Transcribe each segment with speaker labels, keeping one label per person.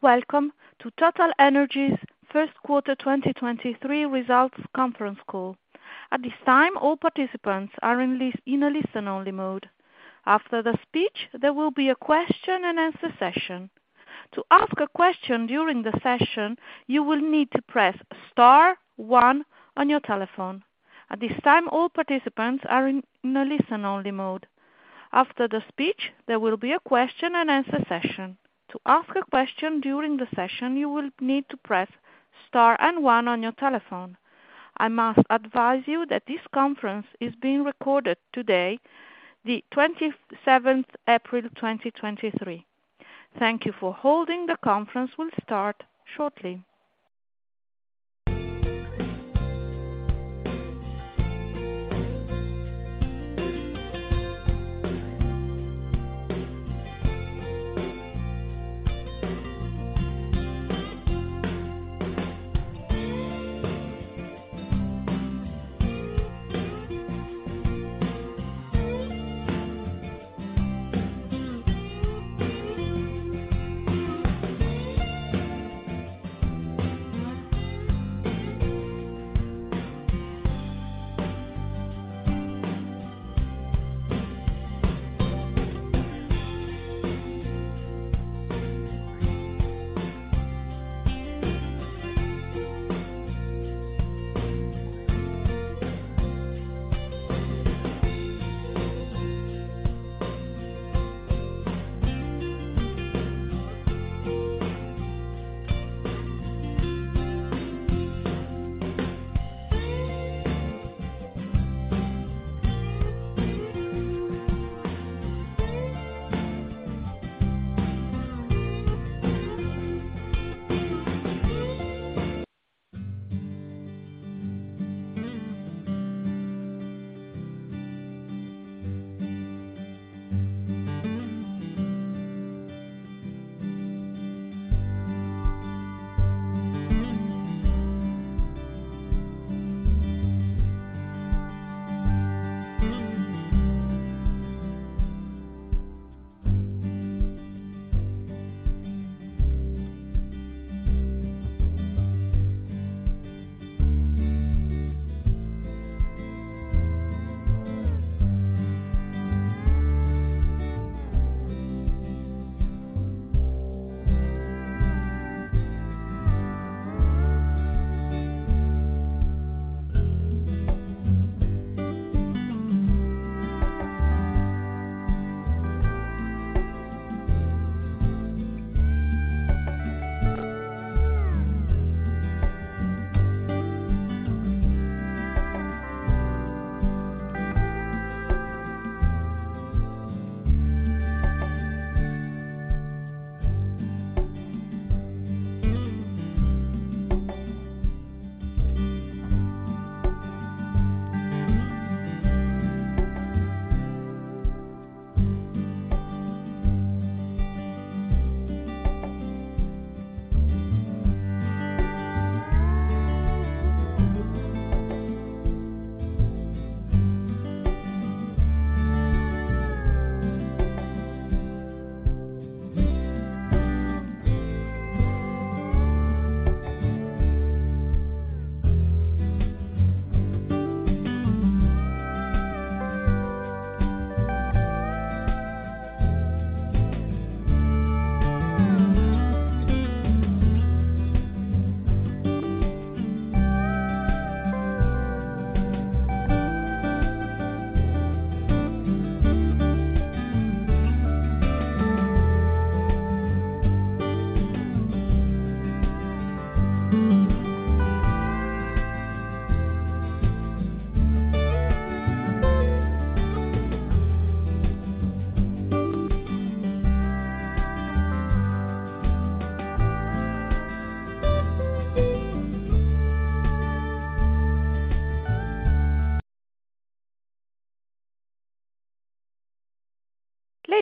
Speaker 1: Welcome to TotalEnergies Q1 2023 Results Conference Call. At this time, all participants are in a listen only mode. After the speech, there will be a question and answer session. To ask a question during the session, you will need to press star one on your telephone. At this time, all participants are in a listen only mode. After the speech, there will be a question and answer session. To ask a question during the session, you will need to press star and one on your telephone. I must advise you that this conference is being recorded today, the 27th April 2023. Thank you for holding. The conference will start shortly.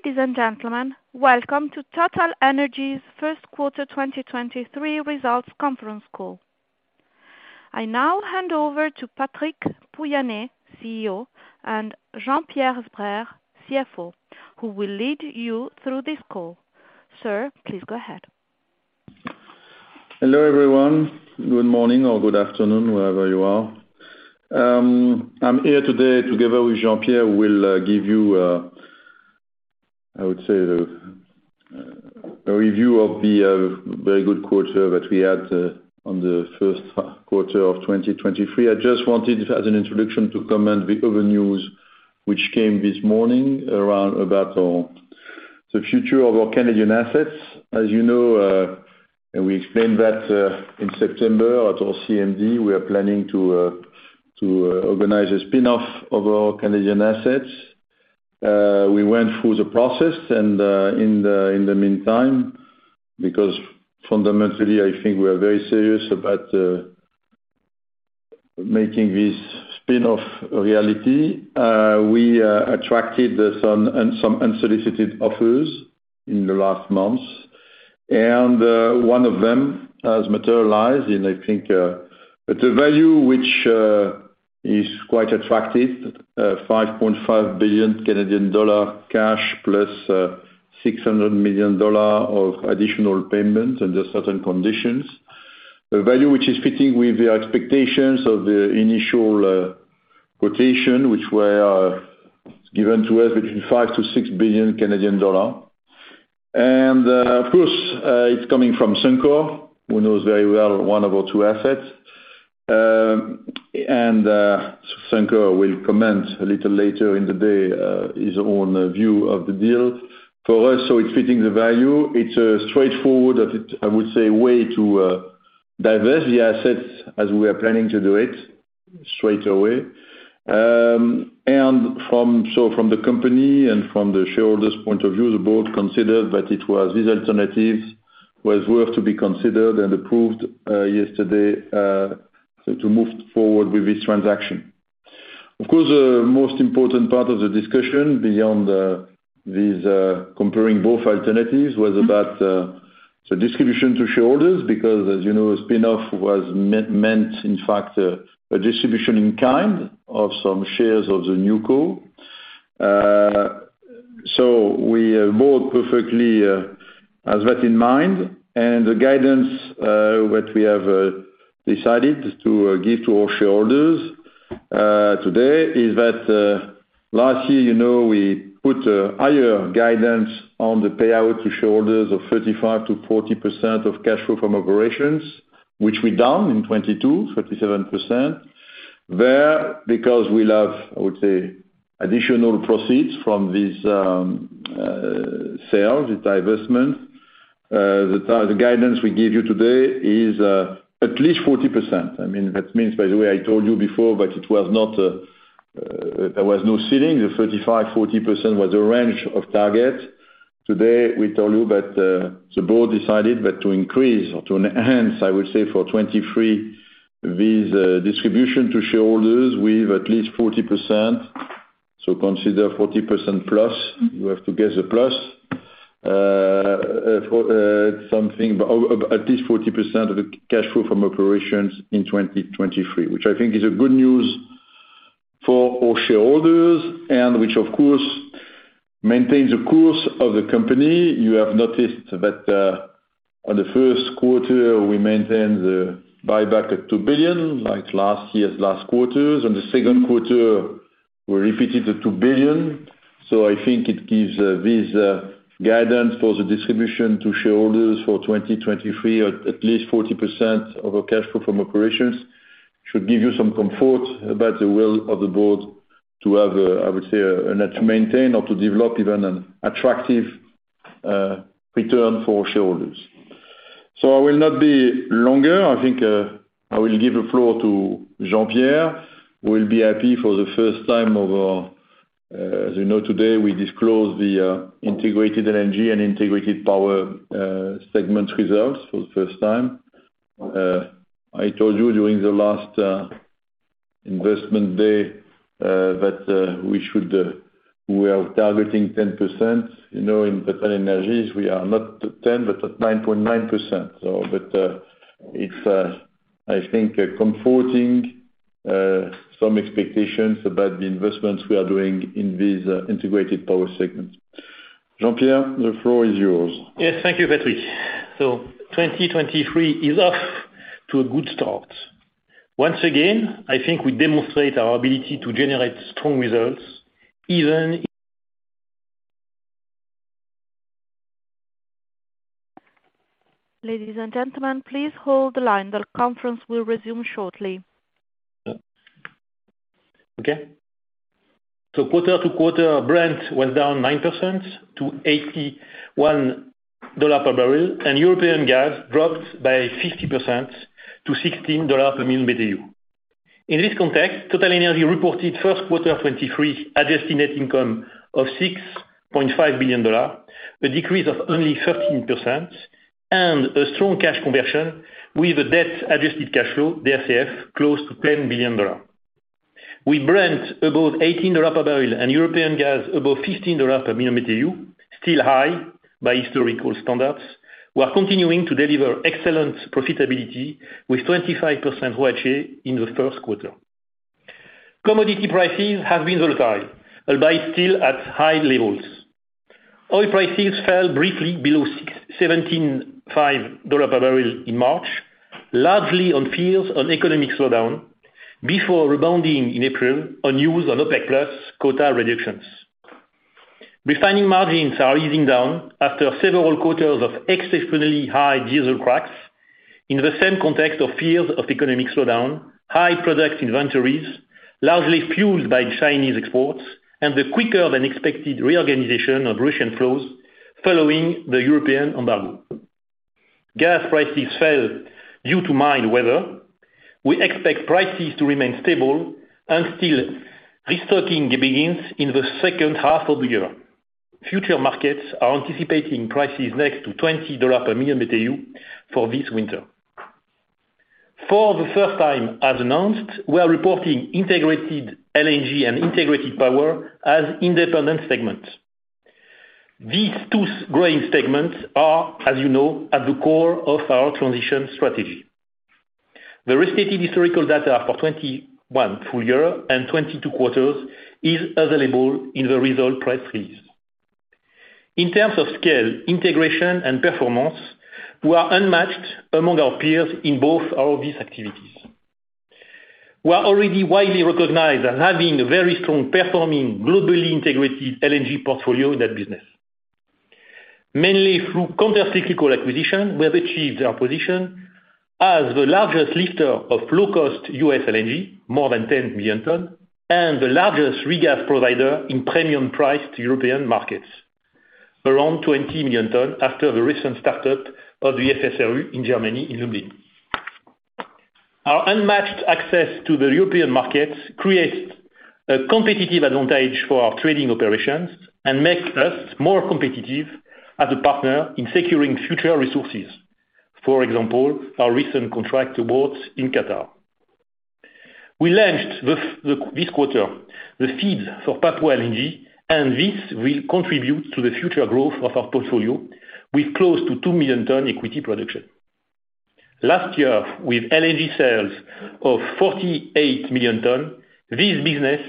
Speaker 1: Ladies and gentlemen, welcome to TotalEnergies Q1 2023 Results Conference Call. I now hand over to Patrick Pouyanné, CEO, and Jean-Pierre Sbraire, CFO, who will lead you through this call. Sir, please go ahead.
Speaker 2: Hello, everyone. Good morning or good afternoon, wherever you are. I'm here today together with Jean-Pierre. We'll give you, I would say the review of the very good quarter that we had on the Q1 of 2023. I just wanted, as an introduction, to comment the other news which came this morning around about the future of our Canadian assets. As you know, and we explained that in September at our CMD, we are planning to organize a spin-off of our Canadian assets. We went through the process and in the meantime, because fundamentally, I think we are very serious about making this spin-off a reality. We attracted some unsolicited offers in the last months, and one of them has materialized. I think, at a value which is quite attractive, 5.5 billion Canadian dollar cash plus 600 million dollar of additional payments under certain conditions. The value which is fitting with the expectations of the initial quotation which were given to us between 5 billion-6 billion Canadian dollars. Of course, it's coming from Suncor, who knows very well one of our two assets. Suncor will comment a little later in the day, his own view of the deal. For us, so it's fitting the value, it's a straightforward, I would say, way to diverse the assets as we are planning to do it straight away. From the company and from the shareholders' point of view, the board considered that it was this alternative was worth to be considered and approved yesterday to move forward with this transaction. Of course, the most important part of the discussion beyond this comparing both alternatives was about the distribution to shareholders. As you know, spin-off was meant in fact, a distribution in kind of some shares of the NewCo. We have board perfectly has that in mind. The guidance what we have decided to give to our shareholders today is that last year, you know, we put higher guidance on the payout to shareholders of 35%-40% of cash flow from operations, which we down in 2022, 37%. There, because we'll have, I would say, additional proceeds from this sales, the divestment, the guidance we give you today is at least 40%. I mean, that means, by the way, I told you before, but there was no ceiling. The 35%-40% was a range of targets. Today, we tell you that the board decided to increase or to enhance, I would say for 2023, this distribution to shareholders with at least 40%. Consider 40% plus. You have to guess the plus. For something about at least 40% of the cash flow from operations in 2023, which I think is good news for our shareholders, and which of course maintains the course of the company. You have noticed that on the Q1, we maintained the buyback at $2 billion, like last year's last quarters. On the Q2, we repeated the $2 billion. I think it gives this guidance for the distribution to shareholders for 2023, at least 40% of our cash flow from operations should give you some comfort about the will of the board to have, I would say, and to maintain or to develop even an attractive return for shareholders. I will not be longer. I think I will give the floor to Jean-Pierre, who will be happy for the first time over, as you know, today, we disclose the integrated LNG and integrated power segment results for the first time. I told you during the last investment day that we should we are targeting 10%. You know, in TotalEnergies, we are not at 10, but at 9.9%. It's, I think, comforting some expectations about the investments we are doing in this integrated power segment. Jean-Pierre, the floor is yours.
Speaker 3: Yes, thank you, Patrick. 2023 is off to a good start. Once again, I think we demonstrate our ability to generate strong results.
Speaker 1: Ladies and gentlemen, please hold the line. The conference will resume shortly.
Speaker 3: Okay. quarter-over-quarter, Brent went down 9% to $81 per barrel, and European gas dropped by 50% to $16 per million BTU. In this context, TotalEnergies reported Q1 2023 adjusted net income of $6.5 billion, a decrease of only 13%, and a strong cash conversion with a debt adjusted cash flow, the FCF, close to $10 billion. With Brent above $18 per barrel and European gas above $15 per million BTU, still high by historical standards, we are continuing to deliver excellent profitability with 25% ROACE in the Q1. Commodity prices have been volatile, albeit still at high levels. Oil prices fell briefly below $17.5 per barrel in March, largely on fears on economic slowdown before rebounding in April on news on OPEC+ quota reductions. Refining margins are easing down after several quarters of exceptionally high diesel cracks in the same context of fears of economic slowdown, high product inventories, largely fueled by Chinese exports, and the quicker than expected reorganization of Russian flows following the European embargo. Gas prices fell due to mild weather. We expect prices to remain stable until restocking begins in the second half of the year. Future markets are anticipating prices next to $20 per million BTU for this winter. For the first time, as announced, we are reporting integrated LNG and integrated power as independent segments. These two growing segments are, as you know, at the core of our transition strategy. The restated historical data for 2021 full year and 2022 quarters is available in the result press release. In terms of scale, integration and performance, we are unmatched among our peers in both of these activities. We are already widely recognized as having a very strong performing, globally integrated LNG portfolio in that business. Mainly through counter cyclical acquisition, we have achieved our position as the largest lifter of low cost U.S. LNG, more than 10 million tons, and the largest regas provider in premium priced European markets, around 20 million tons after the recent start up of the FSRU in Germany in Lubmin. Our unmatched access to the European markets creates a competitive advantage for our trading operations and make us more competitive as a partner in securing future resources. For example, our recent contract awards in Qatar. We launched this quarter, the FEED for Papua LNG, and this will contribute to the future growth of our portfolio with close to 2 million tons equity production. Last year, with LNG sales of 48 million tons, this business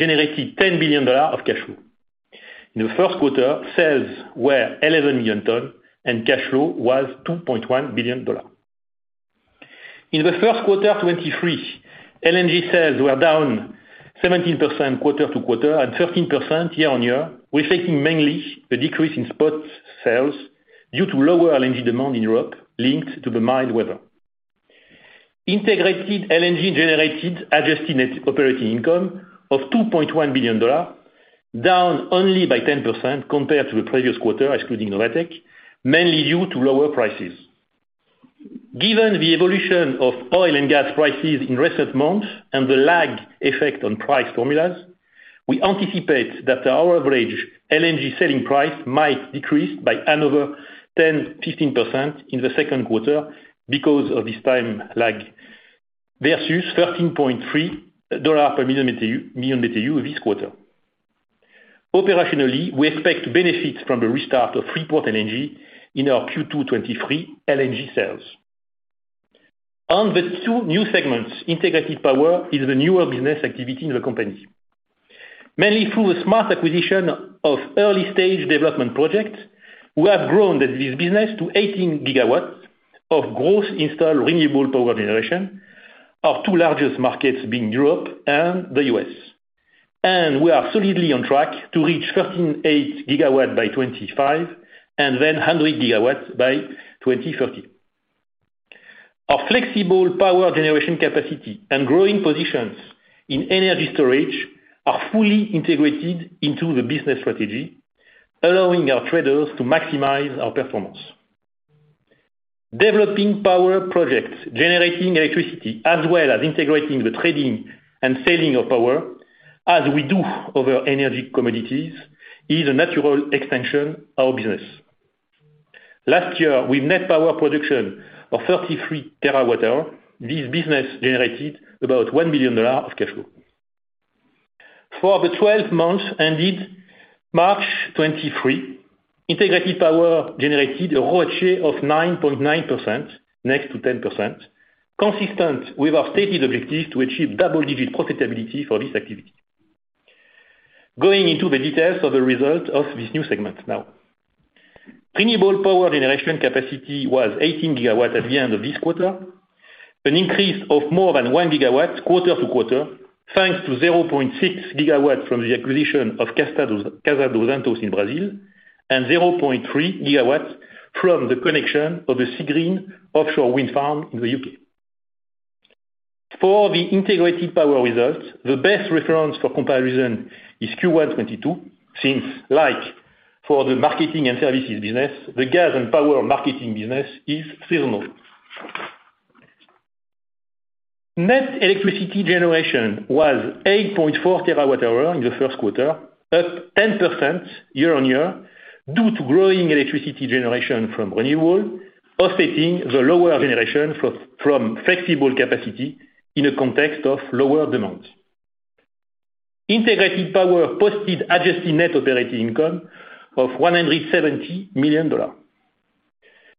Speaker 3: generated $10 billion of cash flow. In the Q1, sales were 11 million tons and cash flow was $2.1 billion. In the Q1 2023, LNG sales were down 17% quarter-over-quarter and 13% year-over-year. Reflecting mainly the decrease in spot sales due to lower LNG demand in Europe linked to the mild weather. Integrated LNG generated adjusted net operating income of $2.1 billion, down only by 10% compared to the previous quarter, excluding Novatek, mainly due to lower prices. Given the evolution of oil and gas prices in recent months and the lag effect on price formulas, we anticipate that our average LNG selling price might decrease by another 10%-15% in the Q2 because of this time lag versus $13.3 per million BTU this quarter. Operationally, we expect benefits from the restart of Freeport LNG in our Q2 2023 LNG sales. On the two new segments, integrated power is the newer business activity in the company. Mainly through a smart acquisition of early stage development projects, we have grown this business to 18 gigawatts of gross installed renewable power generation. Our two largest markets being Europe and the U.S. We are solidly on track to reach 38 GW by 2025 and 100 GW by 2030. Our flexible power generation capacity and growing positions in energy storage are fully integrated into the business strategy, allowing our traders to maximize our performance. Developing power projects, generating electricity, as well as integrating the trading and selling of power as we do other energy commodities, is a natural extension of our business. Last year, with net power production of 33 terawatt-hour, this business generated about $1 billion of cash flow. For the 12 months ended March 2023, integrated power generated a ROACE of 9.9% next to 10%, consistent with our stated objective to achieve double-digit profitability for this activity. Going into the details of the result of this new segment now. Renewable power generation capacity was 18 GW at the end of this quarter, an increase of more than 1 GW quarter-to-quarter, thanks to 0.6 GW from the acquisition of Casa dos Ventos in Brazil and 0.3 GW from the connection of the Seagreen offshore wind farm in the U.K. For the integrated power results, the best reference for comparison is Q1 2022, since like for the marketing and services business, the gas and power marketing business is seasonal. Net electricity generation was 8.4 TWh in the Q1, up 10% year-on-year, due to growing electricity generation from renewable offsetting the lower generation from flexible capacity in a context of lower demand. Integrated power posted adjusted net operating income of $170 million.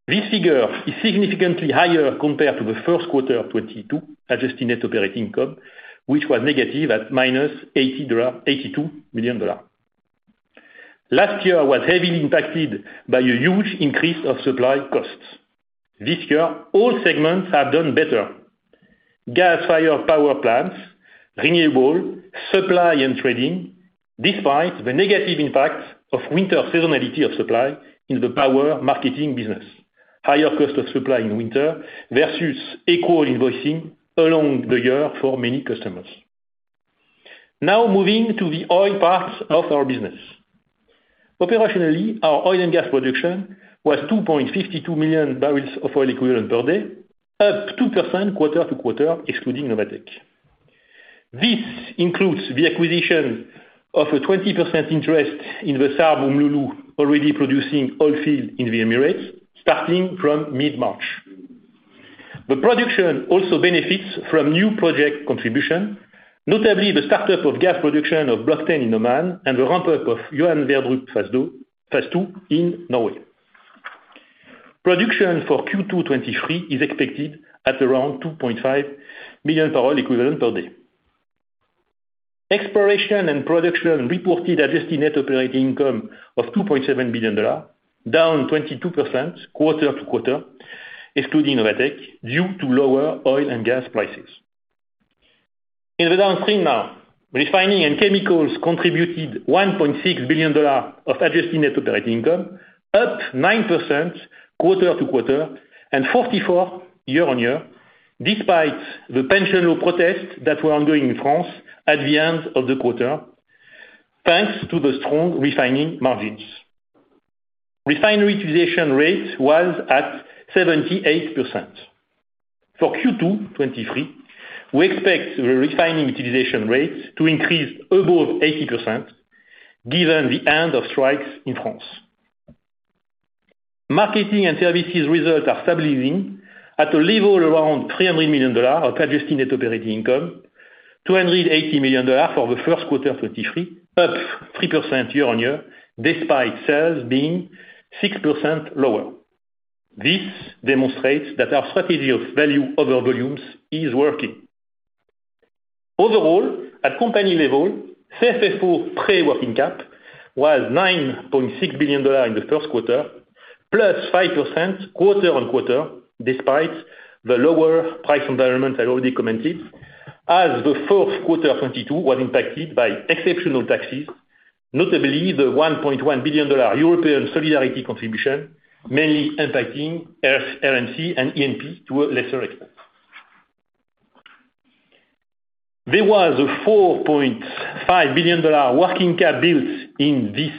Speaker 3: This figure is significantly higher compared to the Q1 of 2022 adjusted net operating income, which was negative at -$82 million. Last year was heavily impacted by a huge increase of supply costs. This year, all segments have done better. Gas-fired power plants, renewable, supply and trading, despite the negative impact of winter seasonality of supply in the power marketing business. Higher cost of supply in winter versus equal invoicing along the year for many customers. Moving to the oil parts of our business. Operationally, our oil and gas production was 2.52 million barrels of oil equivalent per day, up 2% quarter-to-quarter, excluding Novatek. This includes the acquisition of a 20% interest in the SARB Umm Lulu already producing oil field in the Emirates starting from mid-March. The production also benefits from new project contribution, notably the startup of gas production of Block 10 in Oman and the ramp-up of Johan Sverdrup phase II in Norway. Production for Q2 2023 is expected at around 2.5 million barrel equivalent per day. Exploration and production reported adjusted net operating income of $2.7 billion, down 22% quarter-to-quarter, excluding Novatek, due to lower oil and gas prices. In the downstream now, Refining and Chemicals contributed $1.6 billion of adjusted net operating income, up 9% quarter-to-quarter and 44% year-on-year, despite the pension law protests that were ongoing in France at the end of the quarter, thanks to the strong refining margins. Refinery utilization rate was at 78%. For Q2 2023, we expect the refining utilization rates to increase above 80% given the end of strikes in France. Marketing and services results are stabilizing at a level around $300 million of adjusted net operating income, $280 million for the Q1 2023, up 3% year-on-year, despite sales being 6% lower. This demonstrates that our strategy of value over volumes is working. Overall, at company level, CFFO pre working cap was $9.6 billion in the Q1, plus 5% quarter-on-quarter, despite the lower price environment I already commented, as the Q4 2022 was impacted by exceptional taxes, notably the $1.1 billion European solidarity contribution, mainly impacting R&C, LMC and EMP to a lesser extent. There was a $4.5 billion working cap built in this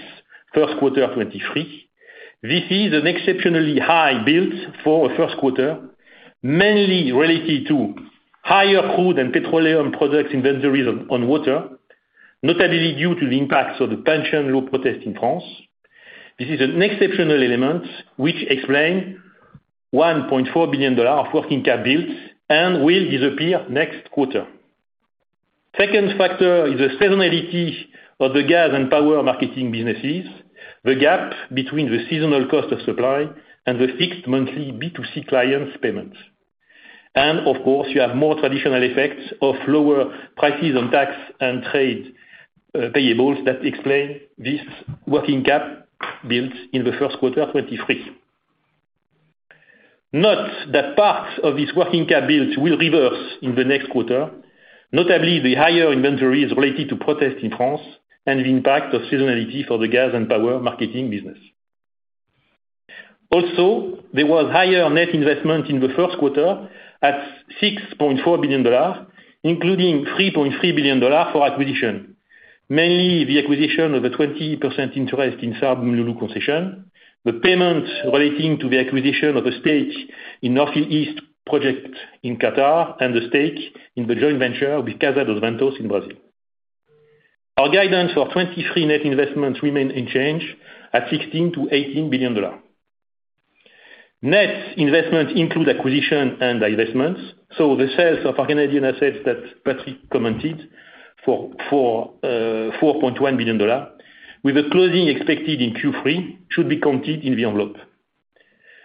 Speaker 3: Q1 2023. This is an exceptionally high build for a Q1, mainly related to higher crude and petroleum product inventories on water, notably due to the impacts of the pension law protest in France. This is an exceptional element which explain $1.4 billion of working cap builds and will disappear next quarter. Second factor is the seasonality of the gas and power marketing businesses, the gap between the seasonal cost of supply and the fixed monthly B2C clients payments. Of course, you have more traditional effects of lower prices on tax and trade payables that explain this working cap built in the Q1 2023. Note that parts of this working cap built will reverse in the next quarter, notably the higher inventories related to protests in France and the impact of seasonality for the gas and power marketing business. There was higher net investment in the Q1 at $6.4 billion, including $3.3 billion for acquisition. Mainly the acquisition of a 20% interest in SARB Umm Lulu concession, the payment relating to the acquisition of a stake in North Field East project in Qatar, and a stake in the joint venture with Casa dos Ventos in Brazil. Our guidance for 2023 net investments remain unchanged at $16 billion-$18 billion. Net investments include acquisition and divestments. The sales of our Canadian assets that Patrick commented for $4.1 billion, with the closing expected in Q3, should be counted in the envelope.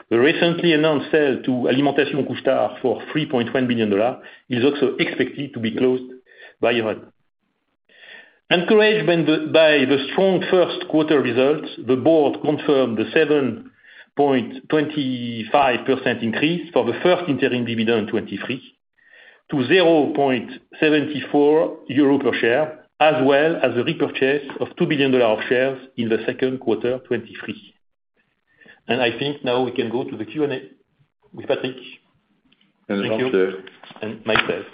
Speaker 3: The recently announced sale to Alimentation Couche-Tard for $3.1 billion is also expected to be closed by year end. Encouraged by the strong Q1 results, the board confirmed the 7.25% increase for the first interim dividend 2023 to 0.74 euro per share, as well as a repurchase of $2 billion shares in the Q2 2023. I think now we can go to the Q&A with Patrick.
Speaker 2: Thank you.
Speaker 3: Myself.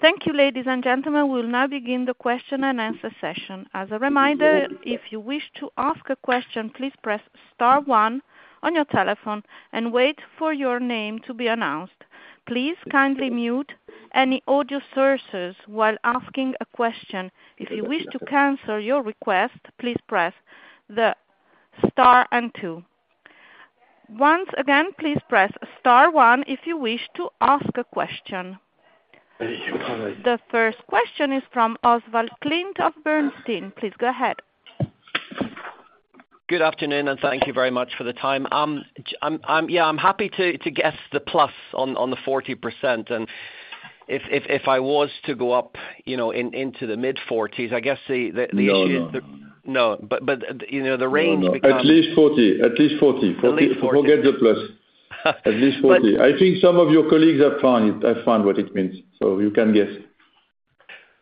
Speaker 1: Thank you, ladies and gentlemen. We'll now begin the question and answer session. As a reminder, if you wish to ask a question, please press star one on your telephone and wait for your name to be announced. Please kindly mute any audio sources while asking a question. If you wish to cancel your request, please press the star and two. Once again, please press star one if you wish to ask a question. Thank you. The first question is from Oswald Clint of Bernstein. Please go ahead.
Speaker 4: Good afternoon, and thank you very much for the time. I'm happy to guess the plus on the 40%. If I was to go up, you know, into the mid-40s, I guess the issue.
Speaker 2: No, no.
Speaker 4: No. you know, the range becomes.
Speaker 2: No, no. At least 40. At least 40.
Speaker 4: At least 40.
Speaker 3: Forget the plus. At least 40. I think some of your colleagues have found what it means. You can guess.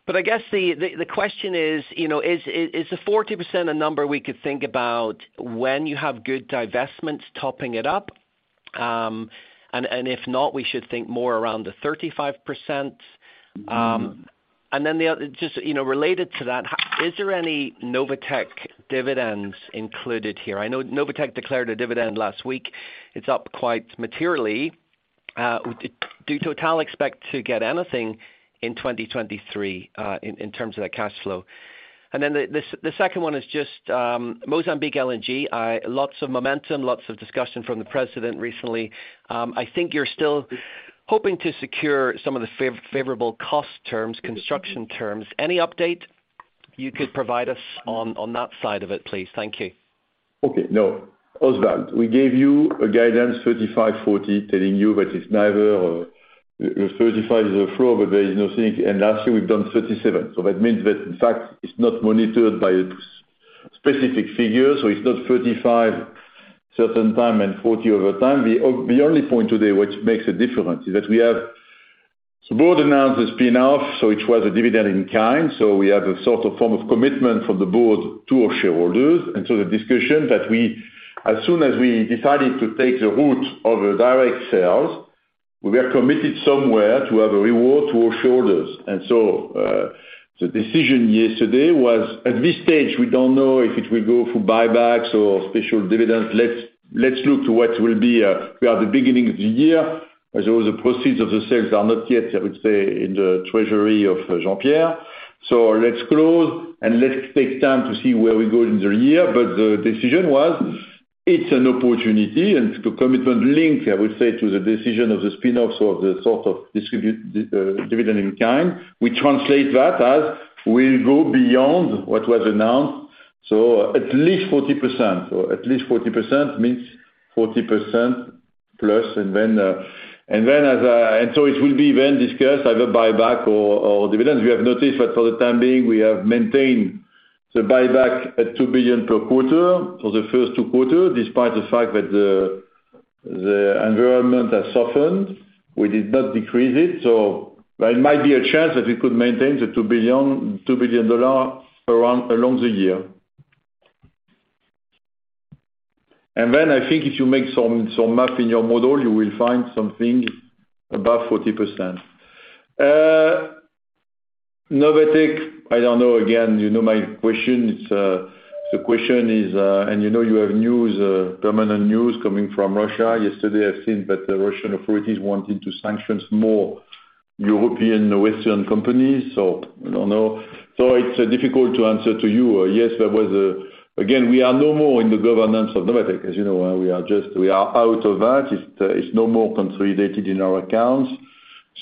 Speaker 4: I guess the question is, you know, is the 40% a number we could think about when you have good divestments topping it up? If not, we should think more around the 35%. Then the other, just, you know, related to that, is there any Novatek dividends included here? I know Novatek declared a dividend last week. It's up quite materially. Do Total expect to get anything in 2023, in terms of that cash flow? Then the second one is just Mozambique LNG. Lots of momentum, lots of discussion from the president recently. I think you're still hoping to secure some of the favorable cost terms, construction terms. Any update you could provide us on that side of it, please? Thank you.
Speaker 2: Okay. No, Oswald, we gave you a guidance 35-40, telling you that it's neither, 35 is a floor, but there is no ceiling. Last year we've done 37. That means that in fact it's not monitored by a specific figure, so it's not 35 certain time and 40 over time. The only point today which makes a difference is that we have. Board announced the spin-off, so it was a dividend in kind, so we have a sort of form of commitment from the board to our shareholders. The discussion that we, as soon as we decided to take the route of a direct sales, we are committed somewhere to have a reward to our shareholders. The decision yesterday was, at this stage, we don't know if it will go through buybacks or special dividends. Let's look to what will be, we are the beginning of the year, as all the proceeds of the sales are not yet, I would say, in the treasury of Jean-Pierre. Let's close and let's take time to see where we go in the year. The decision was, it's an opportunity and it's the commitment linked, I would say, to the decision of the spin-offs or the sort of distribute dividend in kind. We translate that as we'll go beyond what was announced, at least 40%. At least 40% means 40% plus. It will be then discussed either buyback or dividends. We have noted that for the time being, we have maintained the buyback at $2 billion per quarter for the first two quarter, despite the fact that the environment has softened. We did not decrease it. There might be a chance that we could maintain the $2 billion around, along the year. I think if you make some math in your model, you will find something above 40%. Novatek, I don't know. Again, you know my question. The question is, you know you have news, permanent news coming from Russia. Yesterday I've seen that the Russian authorities wanting to sanctions more European, Western companies. I don't know. It's difficult to answer to you. Yes, there was. Again, we are no more in the governance of Novatek, as you know. We are just, we are out of that. It's, it's no more consolidated in our accounts.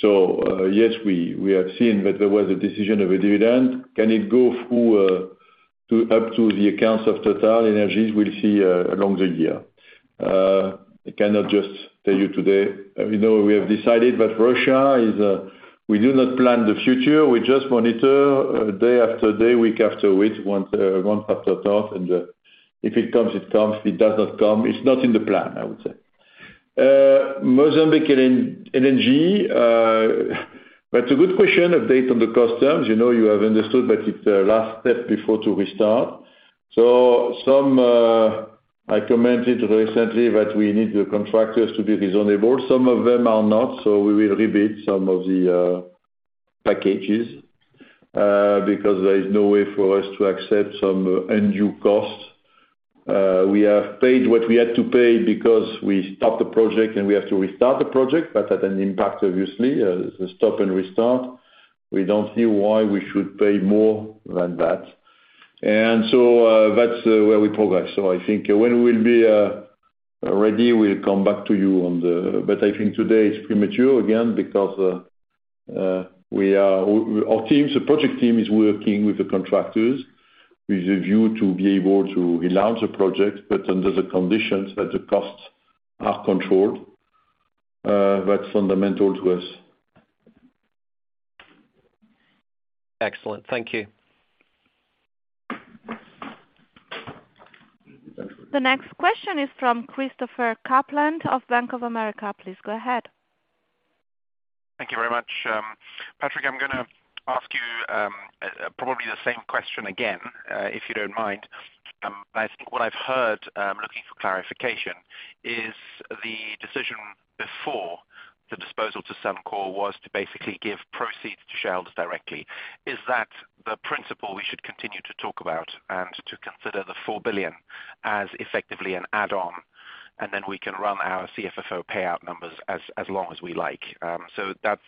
Speaker 2: Yes, we have seen that there was a decision of a dividend. Can it go through, to, up to the accounts of TotalEnergies? We'll see, along the year. I cannot just tell you today. We know we have decided, but Russia is, we do not plan the future. We just monitor, day after day, week after week, month after month. If it comes, it comes. If it does not come, it's not in the plan, I would say. Mozambique LNG, that's a good question, update on the cost terms. You know, you have understood that it's the last step before to restart. Some, I commented recently that we need the contractors to be reasonable. Some of them are not, so we will rebid some of the packages because there is no way for us to accept some undue costs. We have paid what we had to pay because we stopped the project and we have to restart the project. That had an impact obviously, the stop and restart. We don't see why we should pay more than that. That's where we progress. I think when we'll be ready, we'll come back to you on the. I think today it's premature again because we are, our teams, the project team is working with the contractors with a view to be able to relaunch the project, but under the conditions that the costs are controlled. That's fundamental to us.
Speaker 4: Excellent. Thank you.
Speaker 1: The next question is from Christopher Kuplent of Bank of America. Please go ahead.
Speaker 5: Thank you very much. Patrick, I'm gonna ask you, probably the same question again, if you don't mind. I think what I've heard, I'm looking for clarification, is the decision before the disposal to Suncor was to basically give proceeds to shareholders directly. Is that the principle we should continue to talk about and to consider the $4 billion as effectively an add-on, and then we can run our CFFO payout numbers as long as we like. So that's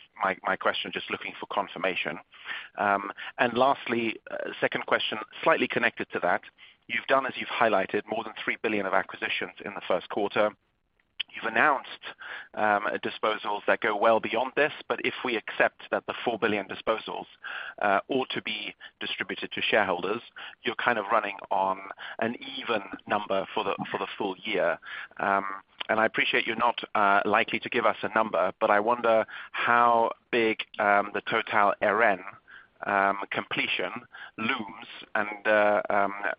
Speaker 5: my question, just looking for confirmation. Lastly, second question, slightly connected to that. You've done, as you've highlighted, more than $3 billion of acquisitions in the Q1. You've announced disposals that go well beyond this. If we accept that the $4 billion disposals ought to be distributed to shareholders, you're kind of running on an even number for the, for the full year. I appreciate you're not likely to give us a number, but I wonder how big the Total Eren completion looms and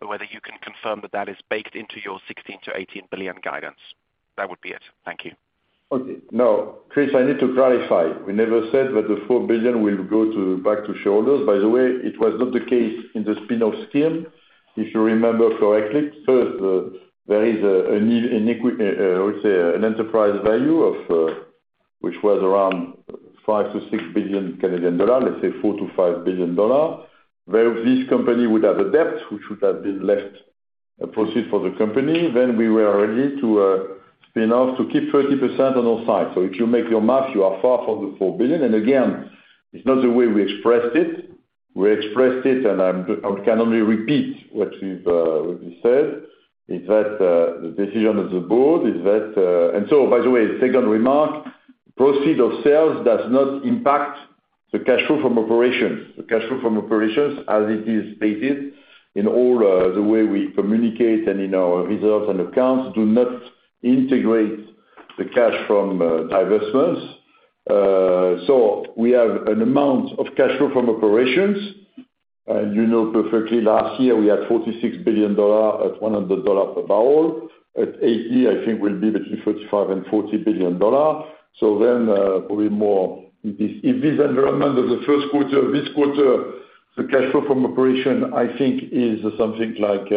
Speaker 5: whether you can confirm that that is baked into your $16 billion-$18 billion guidance. That would be it. Thank you.
Speaker 2: Okay. No, Chris, I need to clarify. We never said that the $4 billion will go to, back to shareholders. By the way, it was not the case in the spin-off scheme. If you remember correctly, first, there is an enterprise value of, which was around 5 billion-6 billion Canadian dollars, let's say $4 billion-$5 billion. Where this company would have a debt which would have been less a proceed for the company, then we were ready to spin off to keep 30% on our side. If you make your math, you are far from the $4 billion. Again, it's not the way we expressed it, we expressed it, and I can only repeat what we've what we said, is that the decision of the board is that. By the way, second remark, proceed of sales does not impact the cash flow from operations. The cash flow from operations as it is stated in all, the way we communicate and in our results and accounts, do not integrate the cash from divestments. We have an amount of cash flow from operations, and you know perfectly last year we had $46 billion at $100 per barrel. At $80, I think we'll be between $35 billion-$40 billion. Then, probably more if this environment of the Q1, this quarter, the cash flow from operation, I think is something like,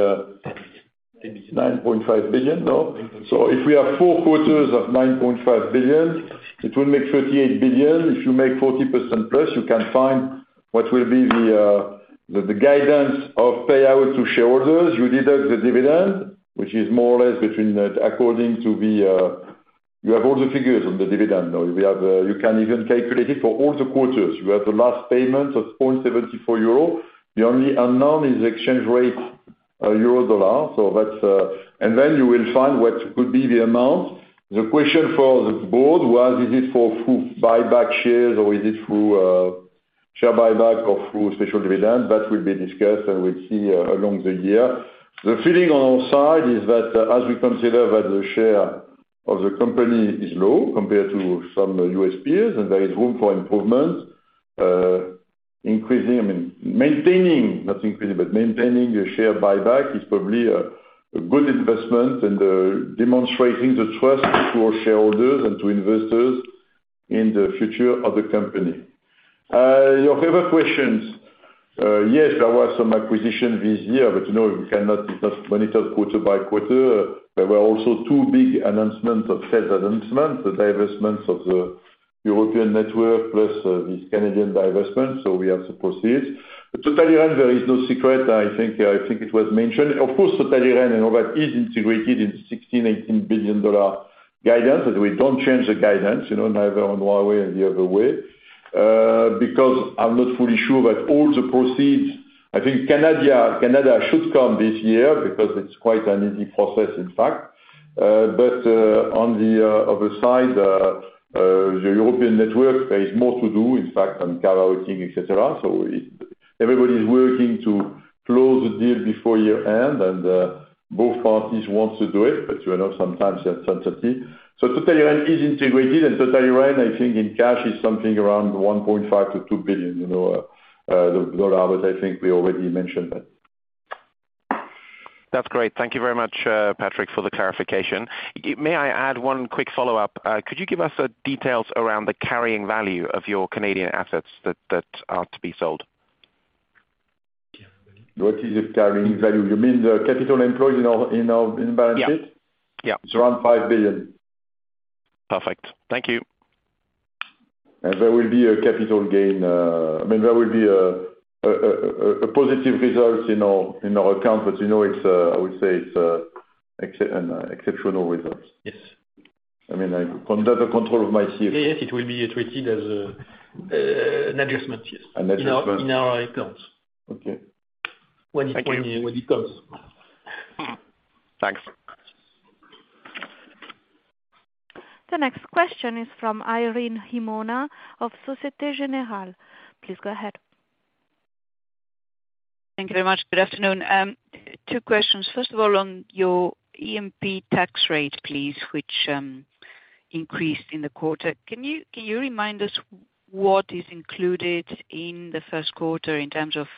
Speaker 2: maybe $9.5 billion, no?
Speaker 3: 9.5.
Speaker 2: If we have four quarters of 9.5 billion, it will make 38 billion. If you make 40%+, you can find what will be the guidance of payout to shareholders. You deduct the dividend, which is more or less according to the, you have all the figures on the dividend, no? We have, you can even calculate it for all the quarters. You have the last payment of 0.74 euro. The only unknown is exchange rate, euro dollar. You will find what could be the amount. The question for the board was, is it for through buyback shares or is it through share buyback or through special dividend? That will be discussed, and we'll see along the year. The feeling on our side is that as we consider that the share of the company is low compared to some U.S. peers and there is room for improvement, increasing, I mean, maintaining, not increasing, but maintaining a share buyback is probably a good investment and demonstrating the trust to our shareholders and to investors in the future of the company. Your other questions. Yes, there was some acquisition this year, but, you know, we cannot, it's not monitored quarter by quarter. There were also two big announcement of sales announcement, the divestments of the European network, plus this Canadian divestment. We have to proceed. Total Eren, there is no secret, I think it was mentioned. Of course Total Eren and all that is integrated in $16 billion-$18 billion guidance. We don't change the guidance, you know, neither on one way or the other way. Because I'm not fully sure that all the proceeds. I think Canada should come this year because it's quite an easy process, in fact. On the other side, the European network, there is more to do, in fact, on carve-outing, et cetera. Everybody is working to close the deal before year-end, and both parties want to do it, but you kno, sometimes you have sensitivity. Total Eren is integrated, and Total Eren, I think in cash is something around $1.5 billion-$2 billion, you know. I think we already mentioned that.
Speaker 5: That's great. Thank you very much, Patrick, for the clarification. May I add one quick follow-up? Could you give us details around the carrying value of your Canadian assets that are to be sold?
Speaker 2: What is the carrying value? You mean the capital employed in our balance sheet?
Speaker 5: Yeah. Yeah.
Speaker 2: It's around $5 billion.
Speaker 5: Perfect. Thank you.
Speaker 2: There will be a capital gain, I mean, there will be a positive results in our account. You know, it's, I would say it's an exceptional results.
Speaker 3: Yes.
Speaker 2: I mean, I'm under the control of my CF.
Speaker 3: Yes, it will be treated as an adjustment, yes.
Speaker 2: An adjustment.
Speaker 3: In our accounts.
Speaker 2: Okay.
Speaker 3: When it come.
Speaker 2: Thank you.
Speaker 3: When it comes.
Speaker 5: Thanks.
Speaker 1: The next question is from Irene Himona of Société Générale. Please go ahead.
Speaker 6: Thank you very much. Good afternoon. Two questions. First of all, on your EMP tax rate, please, which increased in the quarter. Can you remind us what is included in the Q1 in terms of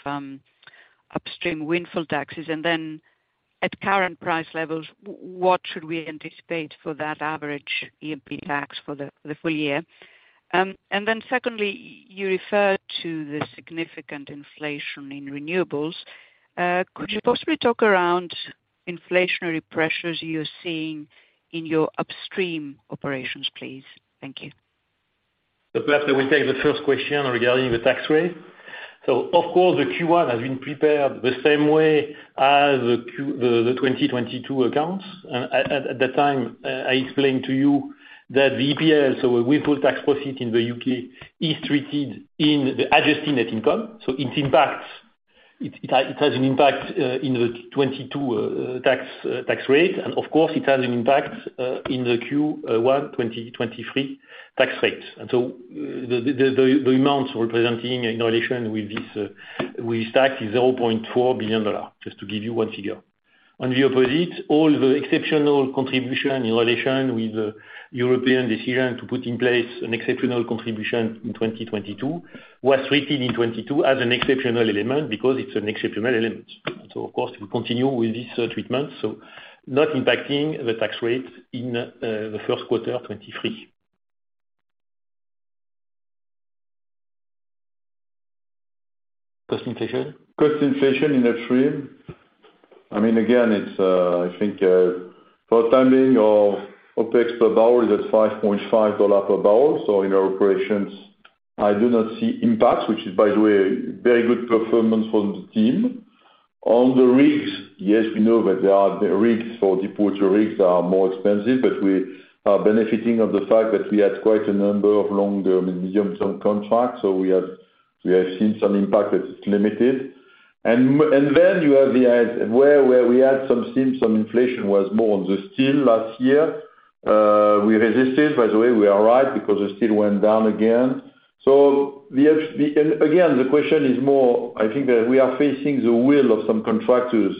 Speaker 6: upstream windfall taxes? At current price levels, what should we anticipate for that average EMP tax for the full year? Secondly, you referred to the significant inflation in renewables. Could you possibly talk around inflationary pressures you're seeing in your upstream operations, please? Thank you.
Speaker 3: Perhaps I will take the first question regarding the tax rate. Of course the Q1 has been prepared the same way as the 2022 accounts. At the time, I explained to you that the EPL, so a windfall tax proceed in the UK is treated in the adjusted net income. It has an impact in the 2022 tax tax rate. Of course it has an impact in the Q1 2023 tax rates. The amounts representing in relation with this with stack is $0.4 billion, just to give you one figure. On the opposite, all the exceptional contribution in relation with the European decision to put in place an exceptional contribution in 2022 was treated in 2022 as an exceptional element because it's an exceptional element. Of course we continue with this treatment, not impacting the tax rate in the Q1 of 2023. Cost inflation?
Speaker 2: Cost inflation in upstream. I mean, again, it's, I think, for the time being our OpEx per barrel is at $5.5 per barrel. In our operations, I do not see impact, which is by the way, very good performance from the team. On the rigs, yes, we know that there are the rigs, for deepwater rigs are more expensive, but we are benefiting of the fact that we had quite a number of long-term and medium-term contracts. We have seen some impact that is limited. Then you have the, where we had some, seen some inflation was more on the steel last year. We resisted, by the way, we are right because the steel went down again. Again, the question is more, I think that we are facing the will of some contractors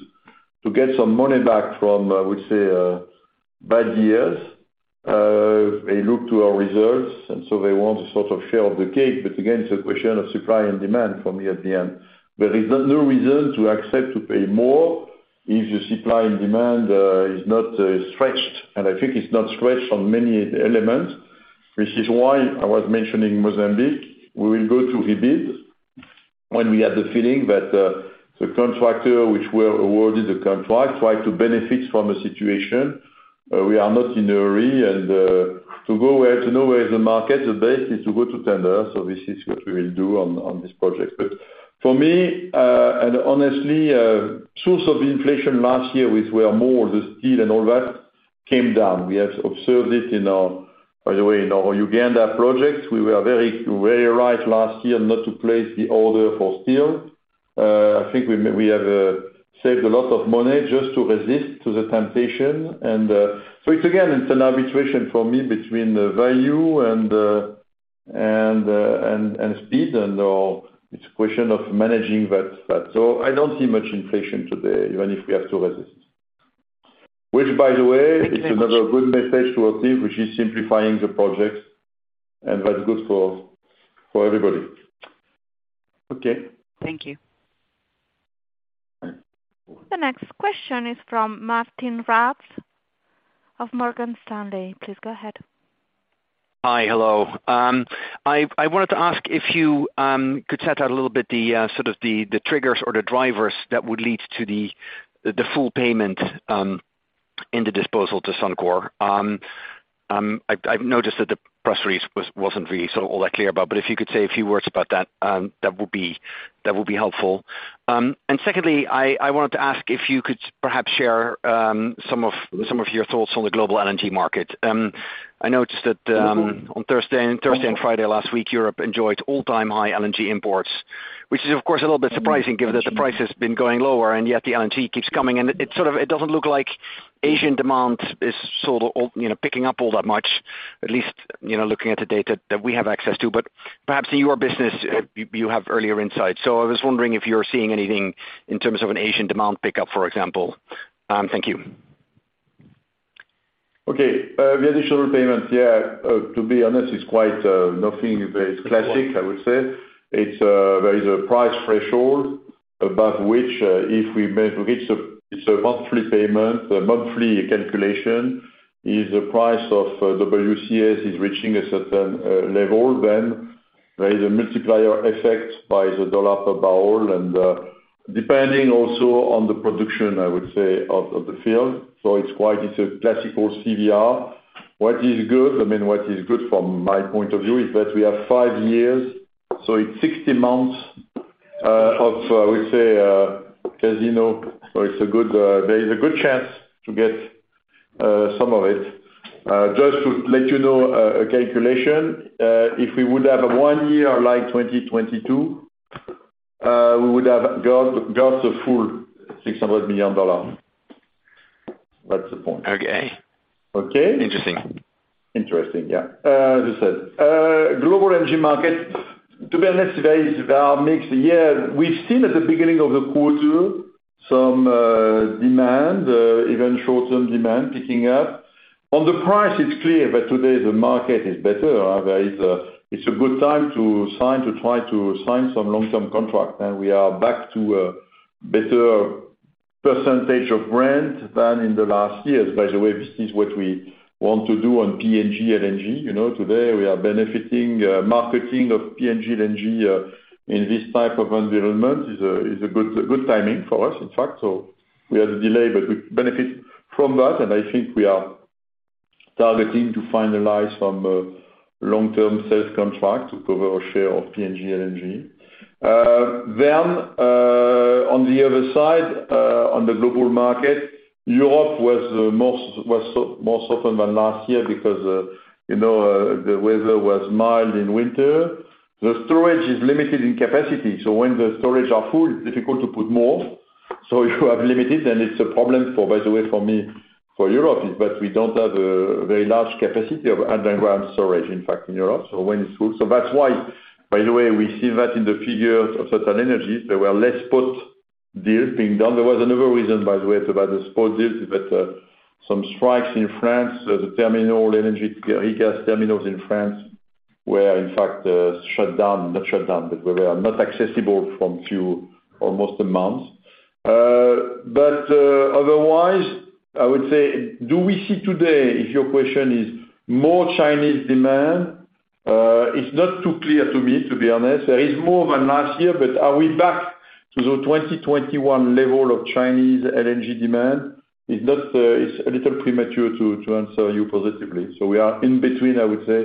Speaker 2: to get some money back from, we say, bad years. They look to our reserves, and so they want a sort of share of the cake. Again, it's a question of supply and demand for me at the end. There is no reason to accept to pay more if the supply and demand is not stretched, and I think it's not stretched on many elements, which is why I was mentioning Mozambique. We will go to rebid when we have the feeling that the contractor which were awarded the contract try to benefit from the situation. We are not in a hurry and to go where, to know where the market, the best is to go to tender, so this is what we will do on this project. For me, and honestly, source of inflation last year which were more the steel and all that came down. We have observed it in our, by the way, in our Uganda projects. We were very right last year not to place the order for steel. I think we have saved a lot of money just to resist to the temptation. It's again, it's an arbitration for me between the value and the, and speed and, or it's a question of managing that. I don't see much inflation today, even if we have to resist. Which, by the way, is another good message to our team, which is simplifying the projects and that's good for everybody. Okay.
Speaker 6: Thank you.
Speaker 1: The next question is from Martijn Rats of Morgan Stanley. Please go ahead.
Speaker 7: Hi. Hello. I wanted to ask if you could set out a little bit sort of the triggers or the drivers that would lead to the full payment in the disposal to Suncor. I've noticed that the press release wasn't really sort of all that clear about, but if you could say a few words about that would be helpful. Secondly, I wanted to ask if you could perhaps share some of your thoughts on the global LNG market. I noticed that on Thursday and Friday last week, Europe enjoyed all-time high LNG imports, which is of course a little bit surprising given that the price has been going lower, and yet the LNG keeps coming. It, it sort of, it doesn't look like Asian demand is sort of all, you know, picking up all that much, at least, you know, looking at the data that we have access to. Perhaps in your business you have earlier insights. I was wondering if you're seeing anything in terms of an Asian demand pickup, for example. Thank you.
Speaker 2: The additional payment. To be honest, it's quite nothing very classic, I would say. There is a price threshold above which, if we reach the. It's a monthly payment. The monthly calculation, if the price of WCS is reaching a certain level, then there is a multiplier effect by the dollar per barrel and depending also on the production, I would say, of the field. So it's quite, it's a classical CVR. What is good, I mean, what is good from my point of view is that we have five years, so it's 60 months of, I would say, casino. So it's a good, there is a good chance to get some of it. Just to let you know, a calculation, if we would have one year like 2022, we would have got the full $600 million. That's the point.
Speaker 7: Okay.
Speaker 2: Okay?
Speaker 7: Interesting.
Speaker 2: Interesting, yeah. As I said, global energy market, to be honest, there is a mixed year. We've seen at the beginning of the quarter some demand, even short-term demand picking up. On the price it's clear that today the market is better. It's a good time to sign, to try to sign some long-term contract. We are back to a better percentage of Brent than in the last years. This is what we want to do on PNG LNG. You know, today we are benefiting. Marketing of PNG LNG, in this type of environment is a good timing for us, in fact. We had a delay, but we benefit from that. I think we are targeting to finalize some long-term sales contract to cover our share of PNG LNG. On the other side, on the global market, Europe was more suffering than last year because, you know, the weather was mild in winter. The storage is limited in capacity, so when the storage are full, difficult to put more. If you have limited, then it's a problem for, by the way, for me, for Europe, is that we don't have a very large capacity of underground storage, in fact, in Europe. When it's full. That's why, by the way, we see that in the figures of TotalEnergies, there were less spot deals being done. There was another reason, by the way, about the spot deals, is that some strikes in France, the terminal energy, terminals in France were in fact shut down. Not shut down, but they were not accessible from few, almost a month. Otherwise, I would say, do we see today, if your question is more Chinese demand? It's not too clear to me, to be honest. There is more than last year, but are we back to the 2021 level of Chinese LNG demand? It's not, it's a little premature to answer you positively. We are in between, I would say,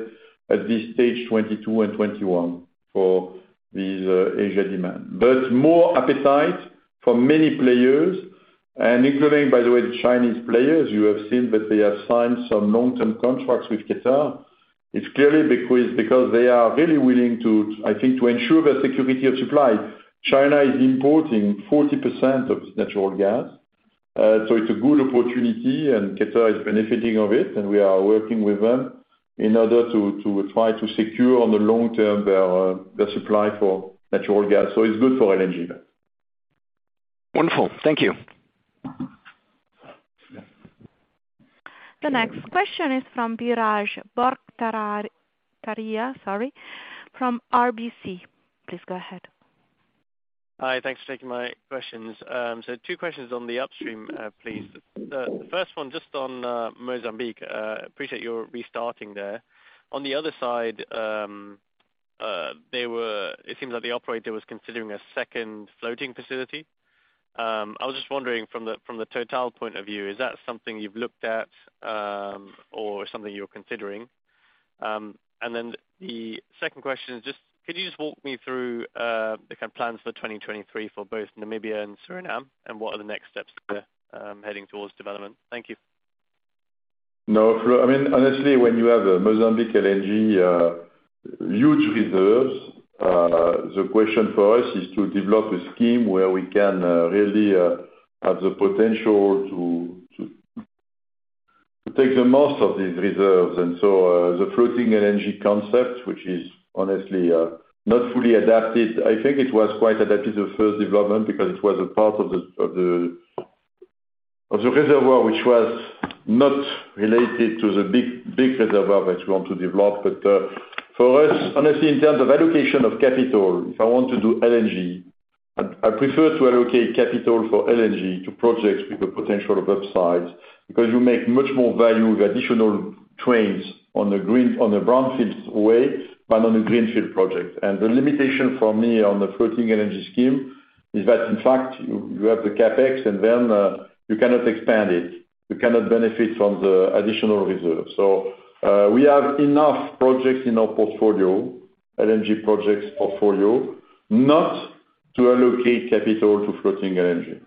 Speaker 2: at this stage, 2022 and 2021 for these Asia demand. More appetite for many players, and including by the way, the Chinese players, you have seen that they have signed some long-term contracts with Qatar. It's clearly because they are really willing to, I think, to ensure the security of supply. China is importing 40% of natural gas. It's a good opportunity and Qatar is benefiting of it, and we are working with them in order to try to secure on the long term their supply for natural gas. It's good for LNG.
Speaker 7: Wonderful. Thank you.
Speaker 1: The next question is from Biraj Borkhataria, sorry, from RBC. Please go ahead.
Speaker 8: Hi. Thanks for taking my questions. Two questions on the upstream, please. The first one, just on Mozambique. Appreciate your restarting there. On the other side, it seems like the operator was considering a second floating facility. I was just wondering from the Total point of view, is that something you've looked at, or something you're considering? The second question is just, could you just walk me through the kind of plans for 2023 for both Namibia and Suriname, and what are the next steps there, heading towards development? Thank you.
Speaker 2: No. I mean, honestly, when you have a Mozambique LNG, huge reserves, the question for us is to develop a scheme where we can really have the potential to take the most of these reserves. The floating LNG concept, which is honestly, not fully adapted, I think it was quite adapted the first development because it was a part of the reservoir, which was not related to the big reservoir that we want to develop. For us, honestly, in terms of allocation of capital, if I want to do LNG, I'd, I prefer to allocate capital for LNG to projects with the potential of upsides, because you make much more value with additional trains on a brown field way than on a greenfield project. The limitation for me on the floating LNG scheme is that in fact, you have the CapEx and then, you cannot expand it. You cannot benefit from the additional reserves. We have enough projects in our portfolio, LNG projects portfolio, not to allocate capital to floating LNG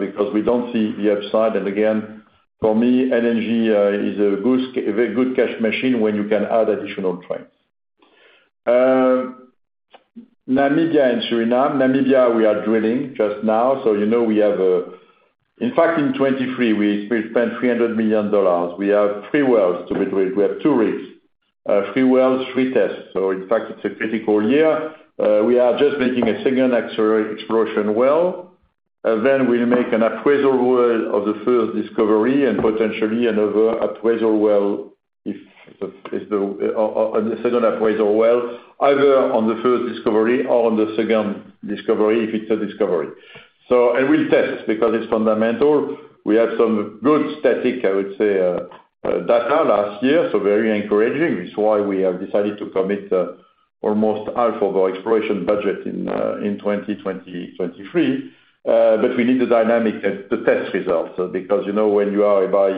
Speaker 2: because we don't see the upside. Again, for me, LNG is a very good cash machine when you can add additional trains. Namibia and Suriname. Namibia, we are drilling just now, so you know we have. In fact in 2023 we spent $300 million. We have three wells to be drilled. We have two rigs. three wells, three tests. In fact it's a critical year. We are just making a second exploration well. We make an appraisal well of the first discovery and potentially another appraisal well if the, or the second appraisal well, either on the first discovery or on the second discovery, if it's a discovery. We test because it's fundamental. We have some good static, I would say, data last year, so very encouraging. It's why we have decided to commit almost half of our exploration budget in 2023. We need the dynamic at the test results, because, you know, when you are by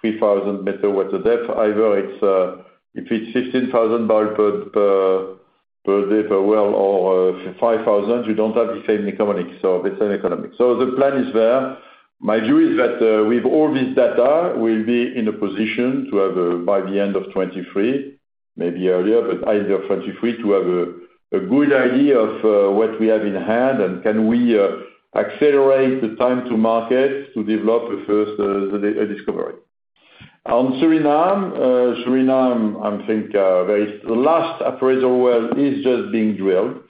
Speaker 2: 3,000 meters water depth, either it's, if it's 15,000 barrel per day per well, or 5,000, you don't have the same economics. They sell economics. The plan is there. My view is that, with all this data, we'll be in a position to have, by the end of 2023, maybe earlier, but end of 2023, to have a good idea of, what we have in hand and can we accelerate the time to market to develop a first discovery. On Suriname, I think, The last appraisal well is just being drilled.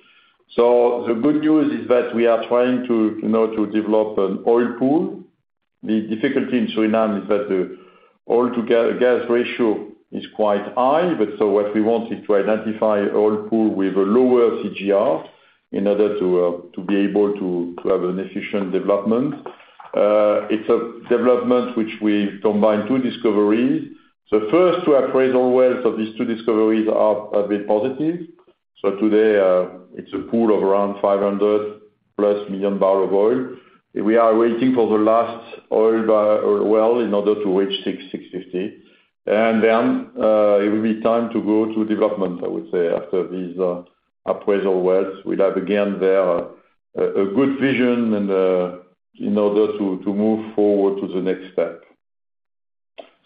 Speaker 2: The good news is that we are trying to, you know, to develop an oil pool. The difficulty in Suriname is that the oil to gas ratio is quite high. What we want is to identify oil pool with a lower CGR in order to be able to have an efficient development. It's a development which we combine two discoveries. The first two appraisal wells of these two discoveries are a bit positive. Today, it's a pool of around 500+ million barrel of oil. We are waiting for the last oil well in order to reach 600-650. Then, it will be time to go to development, I would say, after these appraisal wells. We'd have again there a good vision and in order to move forward to the next step.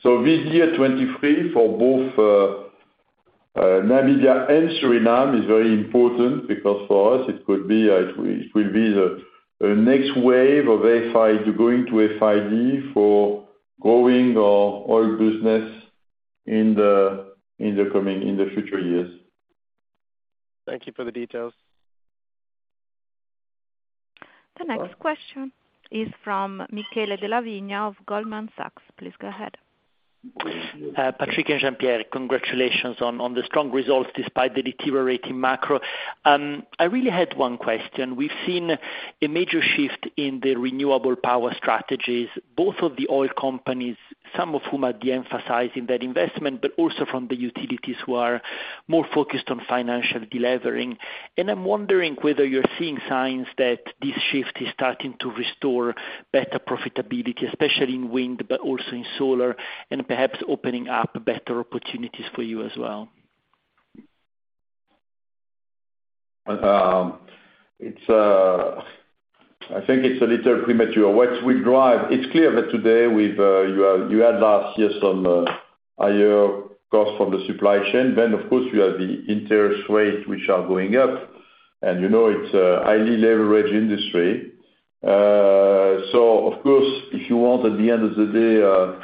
Speaker 2: This year, 2023, for both Namibia and Suriname is very important because for us, it could be, it will be the next wave of FID, going to FID for growing our oil business in the coming, in the future years.
Speaker 8: Thank you for the details.
Speaker 1: The next question is from Michele Della Vigna of Goldman Sachs. Please go ahead.
Speaker 9: Patrick and Jean-Pierre, congratulations on the strong results despite the deteriorating macro. I really had one question. We've seen a major shift in the renewable power strategies, both of the oil companies, some of whom are de-emphasizing that investment, but also from the utilities who are more focused on financial delevering. I'm wondering whether you're seeing signs that this shift is starting to restore better profitability, especially in wind, but also in solar, and perhaps opening up better opportunities for you as well.
Speaker 2: It's, I think it's a little premature. It's clear that today with, you have, you had last year some, higher costs from the supply chain, then of course you have the interest rates which are going up. You know, it's a highly leveraged industry. Of course, if you want at the end of the day,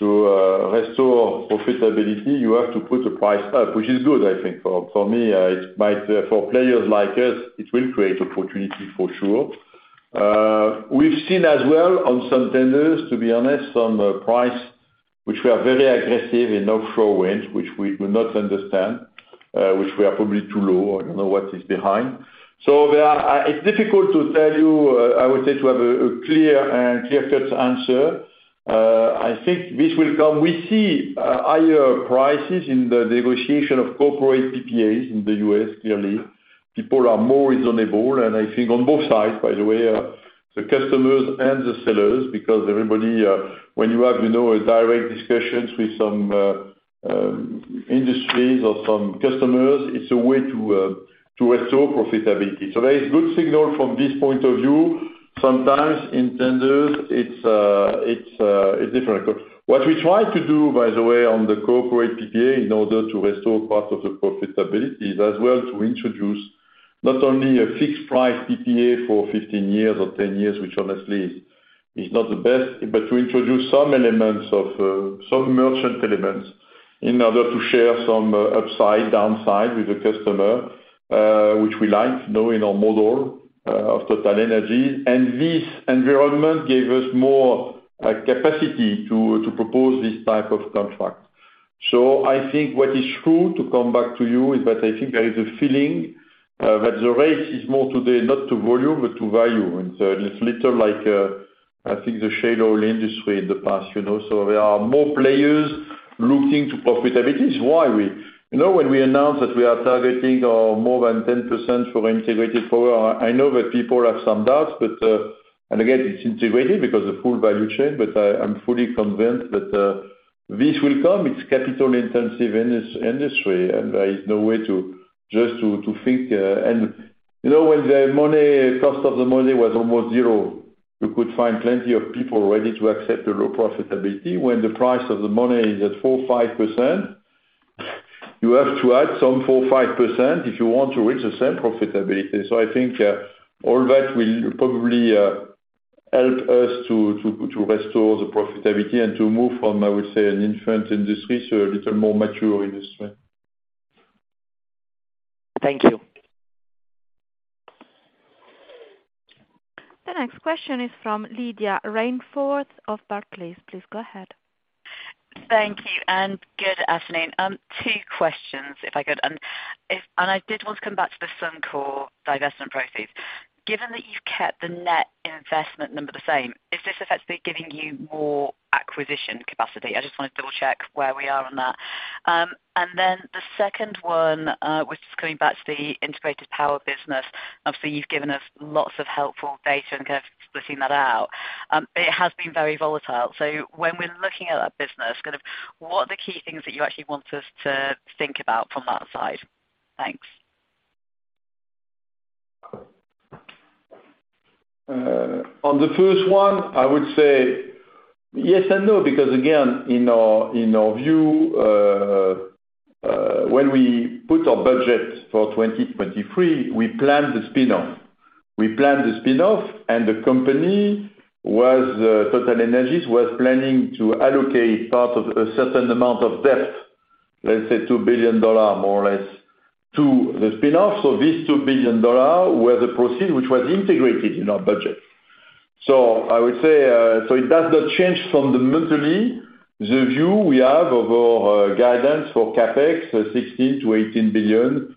Speaker 2: to, restore profitability, you have to put the price up, which is good, I think, for me. It might, for players like us, it will create opportunity for sure. We've seen as well on some tenders, to be honest, on the price, which we are very aggressive in offshore winds, which we do not understand, which we are probably too low. I don't know what is behind. There are. It's difficult to tell you, I would say, to have a clear-cut answer. I think this will come. We see higher prices in the negotiation of corporate PPAs in the U.S. clearly. People are more reasonable, and I think on both sides, by the way, the customers and the sellers, because everybody, when you have, you know, a direct discussions with some industries or some customers, it's a way to restore profitability. There is good signal from this point of view. Sometimes in tenders it's different. What we try to do, by the way, on the corporate PPA in order to restore part of the profitability is as well to introduce not only a fixed price PPA for 15 years or 10 years, which honestly is not the best, but to introduce some elements of some merchant elements in order to share some upside, downside with the customer, which we like knowing our model of TotalEnergies. This environment gave us more like capacity to propose this type of contract. I think what is true, to come back to you, is that I think there is a feeling that the race is more today not to volume, but to value. It's a little like I think the shale oil industry in the past, you know. There are more players looking to profitability. It is why we. You know, when we announce that we are targeting more than 10% for integrated power, I know that people have some doubts, but. Again, it's integrated because of full value chain, but I'm fully convinced that this will come. It's capital-intensive industry, and there is no way to just to think. You know, when the money, cost of the money was almost zero, you could find plenty of people ready to accept the low profitability. When the price of the money is at 4%, 5%, you have to add some 4%, 5% if you want to reach the same profitability. I think all that will probably help us to restore the profitability and to move from, I would say, an infant industry to a little more mature industry.
Speaker 9: Thank you.
Speaker 1: The next question is from Lydia Rainforth of Barclays. Please go ahead.
Speaker 10: Thank you. Good afternoon. Two questions, if I could. I did want to come back to the Suncor divestment proceeds. Given that you've kept the net investment number the same, is this effectively giving you more acquisition capacity? I just wanna double-check where we are on that. The second one, which is coming back to the integrated power business, obviously you've given us lots of helpful data and kind of splitting that out. It has been very volatile. When we're looking at that business kind of what are the key things that you actually want us to think about from that side? Thanks.
Speaker 2: On the first one, I would say yes and no, because again, in our view, when we put our budget for 2023, we planned the spinoff. We planned the spinoff. The company was TotalEnergies planning to allocate part of a certain amount of debt, let's say $2 billion more or less, to the spinoff. This $2 billion were the proceed which was integrated in our budget. I would say, so it does not change fundamentally the view we have of our guidance for CapEx, $16 billion-$18 billion.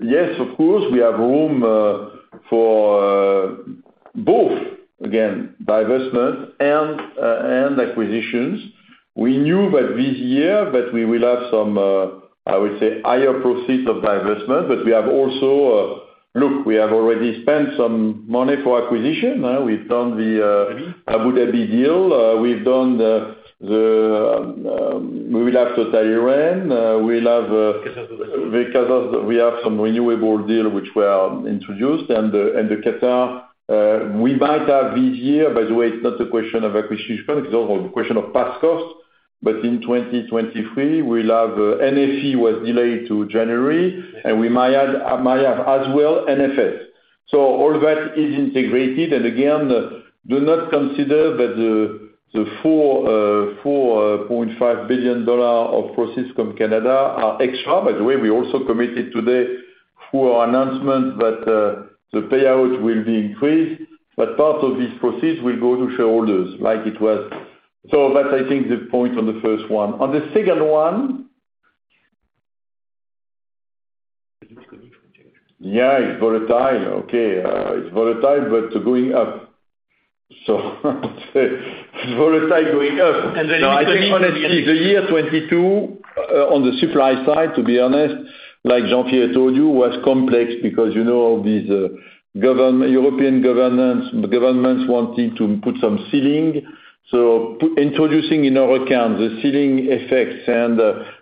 Speaker 2: Yes, of course, we have room for both, again, divestment and acquisitions. We knew that this year that we will have some, I would say, higher proceeds of divestment, but we have also. Look, we have already spent some money for acquisition, we've done the Abu Dhabi deal. We've done the, we will have Total Eren, we'll have because we have some renewable deal which were introduced. The Qatar, we might have this year, by the way, it's not a question of acquisition, it's a question of past costs. In 2023 we'll have NFE was delayed to January, and we might have as well NFS. All that is integrated. Again, do not consider that the $4.5 billion of proceeds from Canada are extra. By the way, we also committed today through our announcement that the payout will be increased, but part of these proceeds will go to shareholders like it was. That's I think the point on the first one. On the second one.
Speaker 3: It looks good if we change.
Speaker 2: Yeah, it's volatile. Okay. It's volatile, but going up. It's volatile going up.
Speaker 3: And then including on the.
Speaker 2: I think honestly, the year 2022, on the supply side, to be honest, like Jean-Pierre told you, was complex because, you know, these European governments wanting to put some ceiling. introducing in our accounts the ceiling effects and,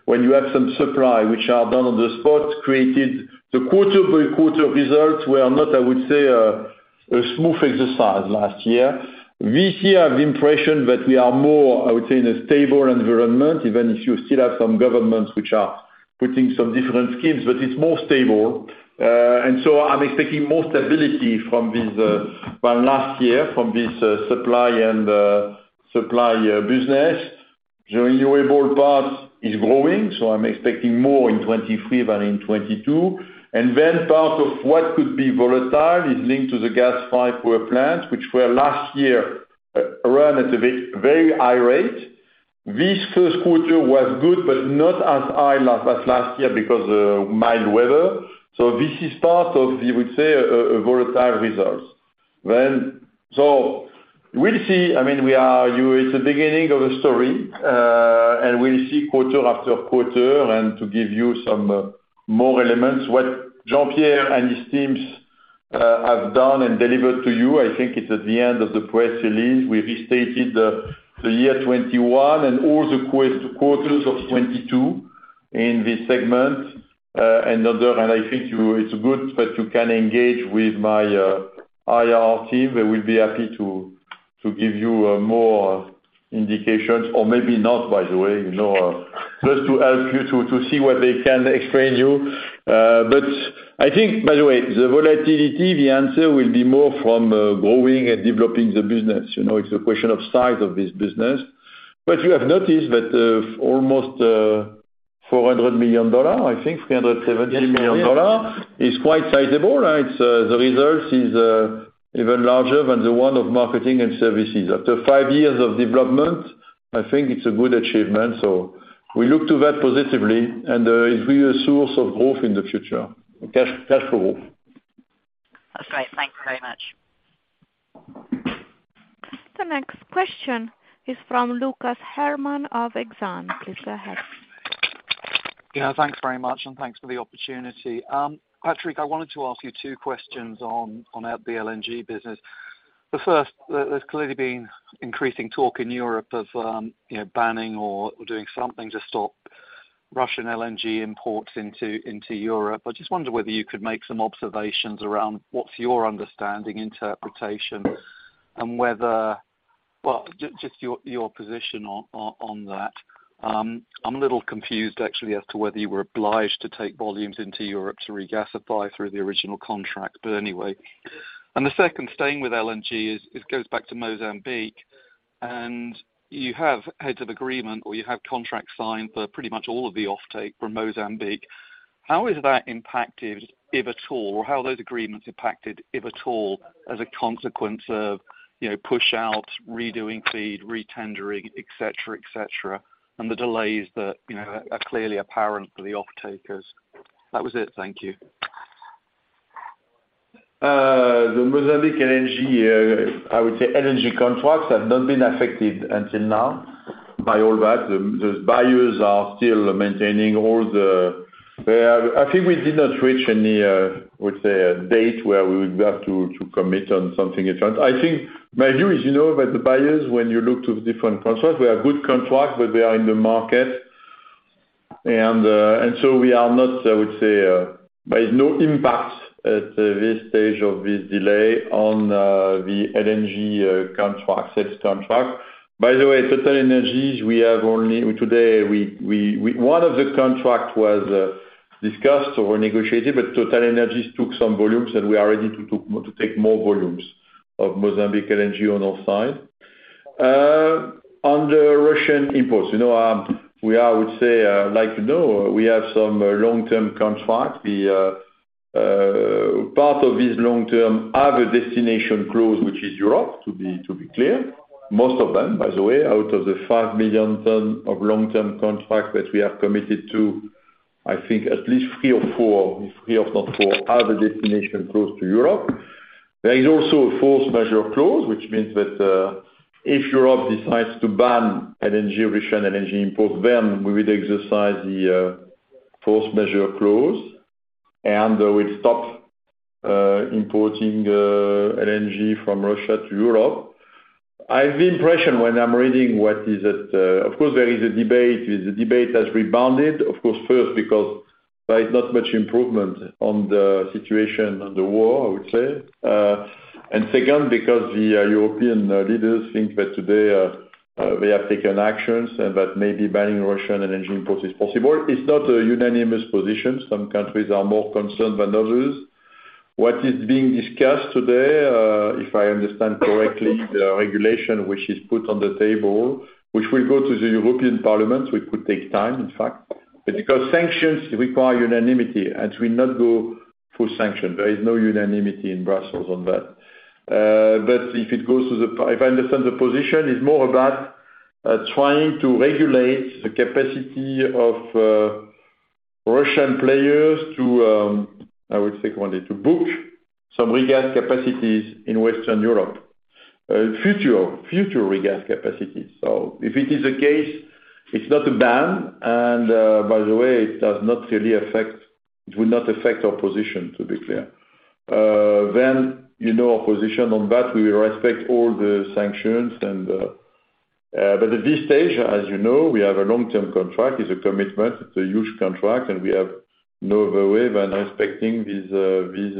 Speaker 2: when you have some supply which are done on the spot, created the quarter by quarter results were not, I would say, a smooth exercise last year. This year, I have the impression that we are more, I would say, in a stable environment, even if you still have some governments which are putting some different schemes, but it's more stable. I'm expecting more stability from this, well, last year from this supply and supply business. The renewable part is growing, so I'm expecting more in 2023 than in 2022. Part of what could be volatile is linked to the gas pipe work plants, which were last year run at a very high rate. This Q1 was good, but not as high as last year because of mild weather. This is part of, you would say, a volatile results. We'll see. I mean, it's the beginning of a story, and we'll see quarter after quarter, and to give you some more elements, what Jean-Pierre and his teams have done and delivered to you, I think it's at the end of the press release. We've restated the year 2021 and all the quarters of 2022 in this segment, and other. I think it's good that you can engage with my IR team. They will be happy to give you more indications or maybe not, by the way, you know, just to help you to see what they can explain you. I think, by the way, the volatility, the answer will be more from growing and developing the business. You know, it's a question of size of this business. You have noticed that almost $400 million, I think, $370 million. Is quite sizable, right? It's the results is even larger than the one of Marketing and Services. After five years of development, I think it's a good achievement. We look to that positively and it will be a source of growth in the future, cash flow.
Speaker 10: That's great. Thank you very much.
Speaker 1: The next question is from Lucas Herrmann of Exane. Please go ahead.
Speaker 11: Yeah, thanks very much, and thanks for the opportunity. Patrick, I wanted to ask you two questions on the LNG business. The first, there's clearly been increasing talk in Europe of, you know, banning or doing something to stop Russian LNG imports into Europe. I just wonder whether you could make some observations around what's your understanding, interpretation, and whether. Well, just your position on that. I'm a little confused actually as to whether you were obliged to take volumes into Europe to regasify through the original contract, but anyway. The second, staying with LNG, is it goes back to Mozambique, and you have heads of agreement, or you have contracts signed for pretty much all of the offtake from Mozambique. How has that impacted, if at all, or how are those agreements impacted, if at all, as a consequence of, you know, push out, redoing FEED, retendering, et cetera, et cetera, and the delays that, you know, are clearly apparent for the offtakers? That was it. Thank you.
Speaker 2: The Mozambique LNG, I would say LNG contracts have not been affected until now by all that. The buyers are still maintaining all the. I think we did not reach any, I would say, a date where we would have to commit on something different. I think my view is, you know, that the buyers, when you look to different contracts, we have good contracts, but we are in the market. So we are not, I would say. There is no impact at this stage of this delay on the LNG contract, sales contract. By the way, TotalEnergies. Today, one of the contract was discussed or negotiated, but TotalEnergies took some volumes, and we are ready to take more volumes of Mozambique LNG on our side. On the Russian imports, you know, we are, I would say, you know, we have some long-term contracts. The part of this long term have a destination clause, which is Europe, to be, to be clear. Most of them, by the way, out of the 5 million tons of long-term contracts that we are committed to, I think at least three or four, if three of them four, have a destination close to Europe. There is also a force measure clause, which means that, if Europe decides to ban LNG, Russian LNG imports, then we would exercise the force measure clause, and we'll stop importing LNG from Russia to Europe. I have the impression when I'm reading what is at. Of course, there is a debate. The debate has rebounded, of course, first because there is not much improvement on the situation on the war, I would say. Second, because the European leaders think that today, they have taken actions and that maybe banning Russian LNG import is possible. It's not a unanimous position. Some countries are more concerned than others. What is being discussed today, if I understand correctly, the regulation which is put on the table, which will go to the European Parliament, which could take time in fact, because sanctions require unanimity and will not go full sanction. There is no unanimity in Brussels on that. If it goes to the. If I understand, the position is more about trying to regulate the capacity of Russian players to, I would say, wanted to book some regas capacities in Western Europe, future regas capacities. If it is the case, it's not a ban. By the way, it will not affect our position, to be clear. You know, our position on that, we will respect all the sanctions. At this stage, as you know, we have a long-term contract. It's a commitment, it's a huge contract, and we have no other way than respecting this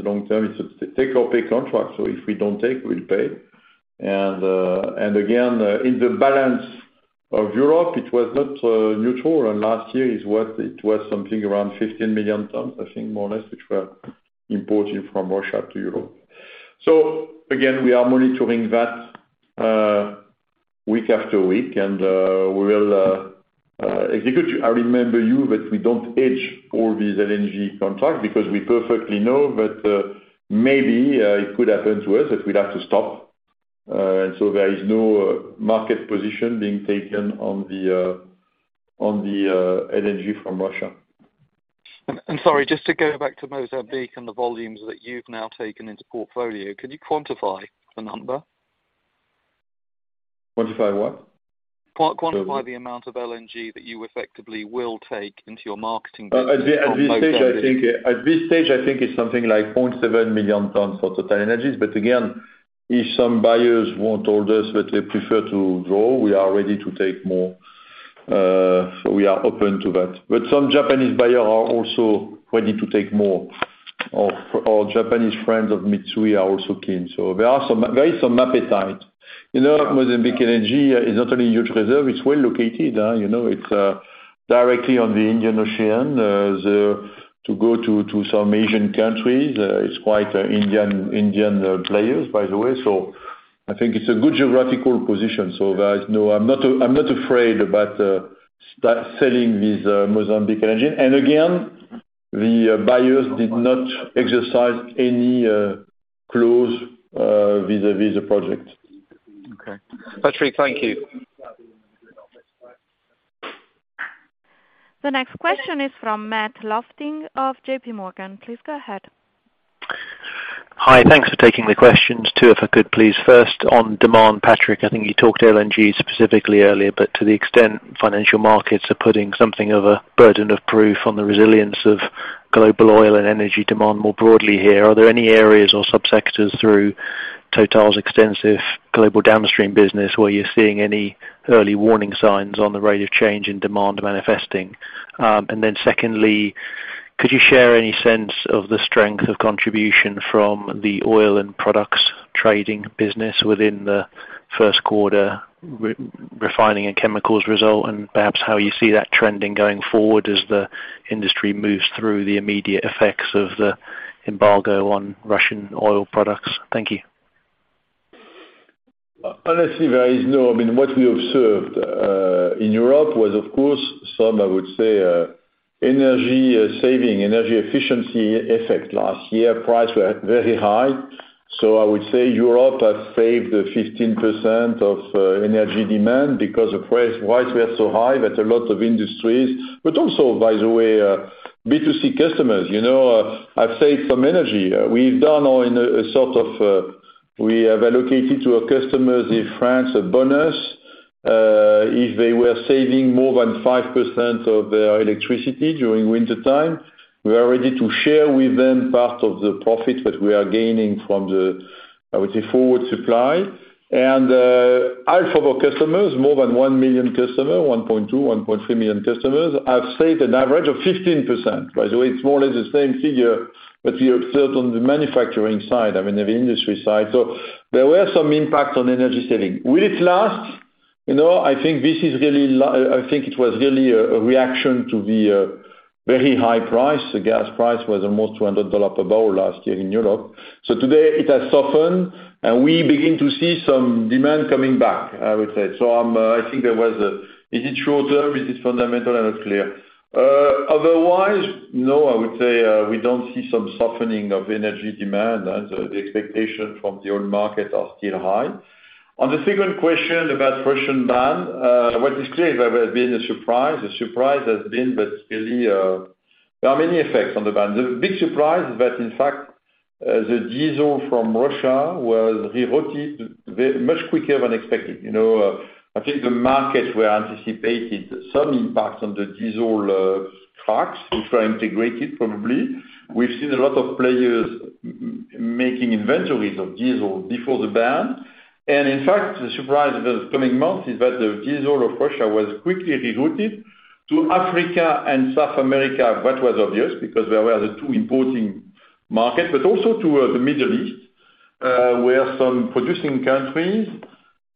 Speaker 2: long-term. It's a take or pay contract, so if we don't take, we'll pay. Again, in the balance of Europe, it was not neutral. Last year is what, it was something around 15 million tons, I think more or less, which were imported from Russia to Europe. Again, we are monitoring that week after week, and we will execute. I remember you that we don't hedge all these LNG contracts because we perfectly know that maybe it could happen to us that we'd have to stop. There is no market position being taken on the LNG from Russia.
Speaker 11: Sorry, just to go back to Mozambique and the volumes that you've now taken into portfolio, could you quantify the number?
Speaker 2: Quantify what?
Speaker 11: Quantify the amount of LNG that you effectively will take into your marketing business from Mozambique.
Speaker 2: At this stage, I think it's something like 0.7 million tons for TotalEnergies. Again, if some buyers want or just that they prefer to draw, we are ready to take more, so we are open to that. Some Japanese buyer are also ready to take more. Our Japanese friends of Mitsui are also keen, so there are some, there is some appetite. You know, Mozambique LNG is not only huge reserve, it's well located. You know, it's directly on the Indian Ocean. To go to some Asian countries, it's quite Indian players by the way. I think it's a good geographical position. I'm not afraid about selling this Mozambique LNG. Again, the buyers did not exercise any clause vis-à-vis the project.
Speaker 11: Okay. Patrick, thank you.
Speaker 1: The next question is from Matt Lofting of JP Morgan. Please go ahead.
Speaker 12: Hi. Thanks for taking the questions. Two if I could please. First on demand, Patrick, I think you talked LNG specifically earlier, but to the extent financial markets are putting something of a burden of proof on the resilience of global oil and energy demand more broadly here, are there any areas or sub-sectors through Total's extensive global downstream business where you're seeing any early warning signs on the rate of change in demand manifesting? Secondly, could you share any sense of the strength of contribution from the oil and products trading business within the Q1 Refining & Chemicals result? And perhaps how you see that trending going forward as the industry moves through the immediate effects of the embargo on Russian oil products? Thank you.
Speaker 2: Honestly, there is no. I mean, what we observed in Europe was of course some, I would say, energy saving, energy efficiency effect. Last year price were very high. I would say Europe has saved 15% of energy demand because of price. Prices were so high that a lot of industries, but also by the way, B2C customers, you know, have saved some energy. We've done all in a sort of, we have allocated to our customers in France a bonus. If they were saving more than 5% of their electricity during wintertime, we are ready to share with them part of the profit that we are gaining from the, I would say, forward supply. Half of our customers, more than 1 million customer, 1.2, 1.3 million customers, have saved an average of 15%. By the way, it's more or less the same figure that we observed on the manufacturing side, I mean, the industry side. There were some impacts on energy saving. Will it last? You know, I think this is really, I think it was really a reaction to the very high price. The gas price was almost $200 per barrel last year in Europe. Today it has softened, and we begin to see some demand coming back, I would say. I'm, I think there was. Is it short term? Is this fundamental? I'm not clear. Otherwise, no, I would say, we don't see some softening of energy demand. The expectation from the oil market are still high. On the second question about Russian ban, what is clear there has been a surprise. The surprise has been that really, there are many effects on the ban. The big surprise that in fact, the diesel from Russia was rerouted much quicker than expected. You know, I think the markets were anticipated some impact on the diesel trucks, which are integrated probably. We've seen a lot of players making inventories of diesel before the ban. In fact, the surprise of the coming months is that the diesel of Russia was quickly rerouted to Africa and South America. That was obvious because they were the two importing market, but also to the Middle East. Where some producing countries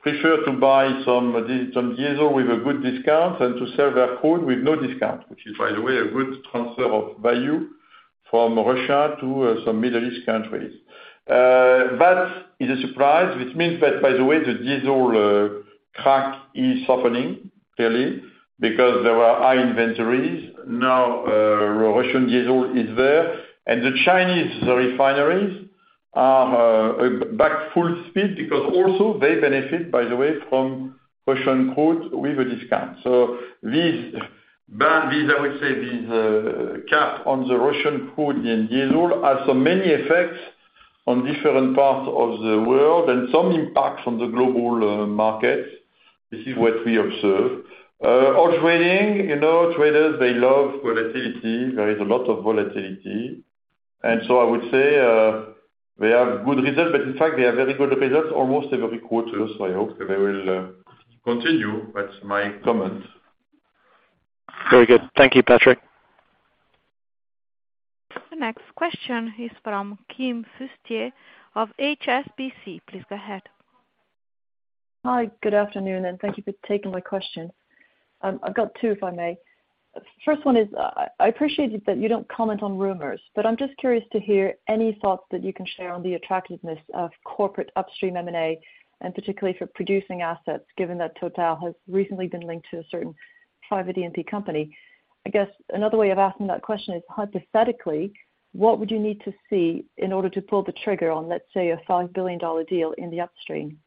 Speaker 2: prefer to buy some diesel with a good discount and to sell their coal with no discount, which is by the way a good transfer of value from Russia to some Middle East countries. That is a surprise, which means that by the way, the diesel crack is softening clearly because there were high inventories. Now, Russian diesel is there, and the Chinese refineries are back full speed because also they benefit, by the way, from Russian coal with a discount. These ban, these, I would say, these cap on the Russian coal and diesel have so many effects on different parts of the world and some impacts on the global market. This is what we observe. All trading, you know, traders, they love volatility. There is a lot of volatility. I would say they have good results, but in fact they have very good results almost every quarter. I hope they will continue. That's my comment.
Speaker 12: Very good. Thank you, Patrick.
Speaker 1: The next question is from Kim Fustier of HSBC. Please go ahead.
Speaker 13: Hi, good afternoon, and thank you for taking my question. I've got two if I may. First one is I appreciate that you don't comment on rumors, but I'm just curious to hear any thoughts that you can share on the attractiveness of corporate upstream M&A, and particularly for producing assets, given that TotalEnergies has recently been linked to a certain private EMP company. I guess another way of asking that question is, hypothetically, what would you need to see in order to pull the trigger on, let's say, a $5 billion deal in the upstream?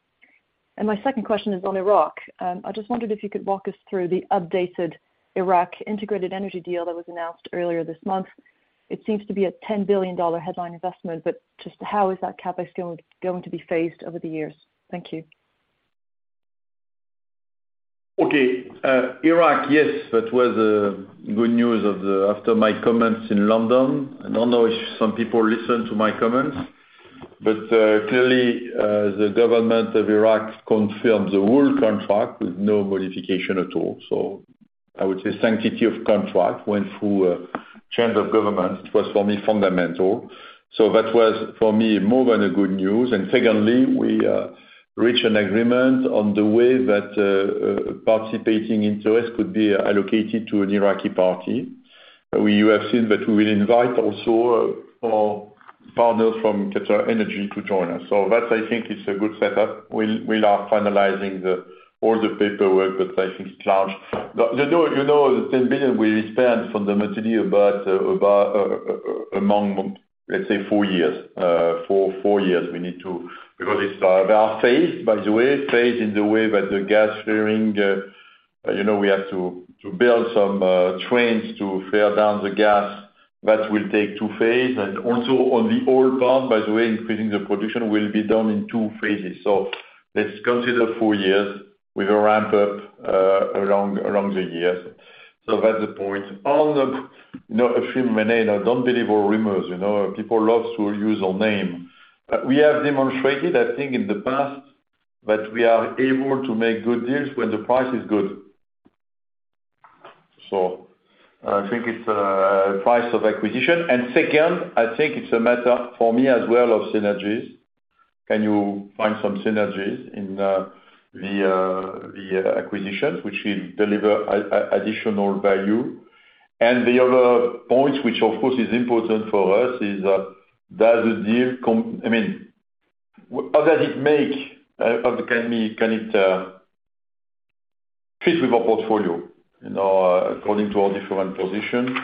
Speaker 13: My second question is on Iraq. I just wondered if you could walk us through the updated Iraq integrated energy deal that was announced earlier this month. It seems to be a $10 billion headline investment, just how is that CapEx going to be phased over the years? Thank you.
Speaker 2: Okay. Iraq, yes, that was good news after my comments in London. I don't know if some people listened to my comments, but clearly, the government of Iraq confirmed the whole contract with no modification at all. I would say sanctity of contract went through a change of government. It was for me, fundamental. That was, for me, more than a good news. Secondly, we reached an agreement on the way that participating interest could be allocated to an Iraqi party. You have seen that we will invite also our partners from QatarEnergy to join us. That I think is a good setup. We are finalizing all the paperwork, but I think it's large. The, you know, you know, the $10 billion we spend fundamentally about, among, let's say 4 years we need to release our phase, by the way, phase in the way that the gas flaring, you know, we have to build some trains to flare down the gas. That will take 2 phase. Also on the oil part, by the way, increasing the production will be done in two phases. Let's consider four years with a ramp up along the years. That's the point. On the, you know, a few M&A, now don't believe all rumors. You know, people love to use our name. We have demonstrated, I think in the past, that we are able to make good deals when the price is good. I think it's price of acquisition. Second, I think it's a matter for me as well of synergies. Can you find some synergies in the acquisitions which will deliver additional value? The other point, which of course is important for us, is I mean, how does it make, how can we, can it, fit with our portfolio, you know, according to our different position?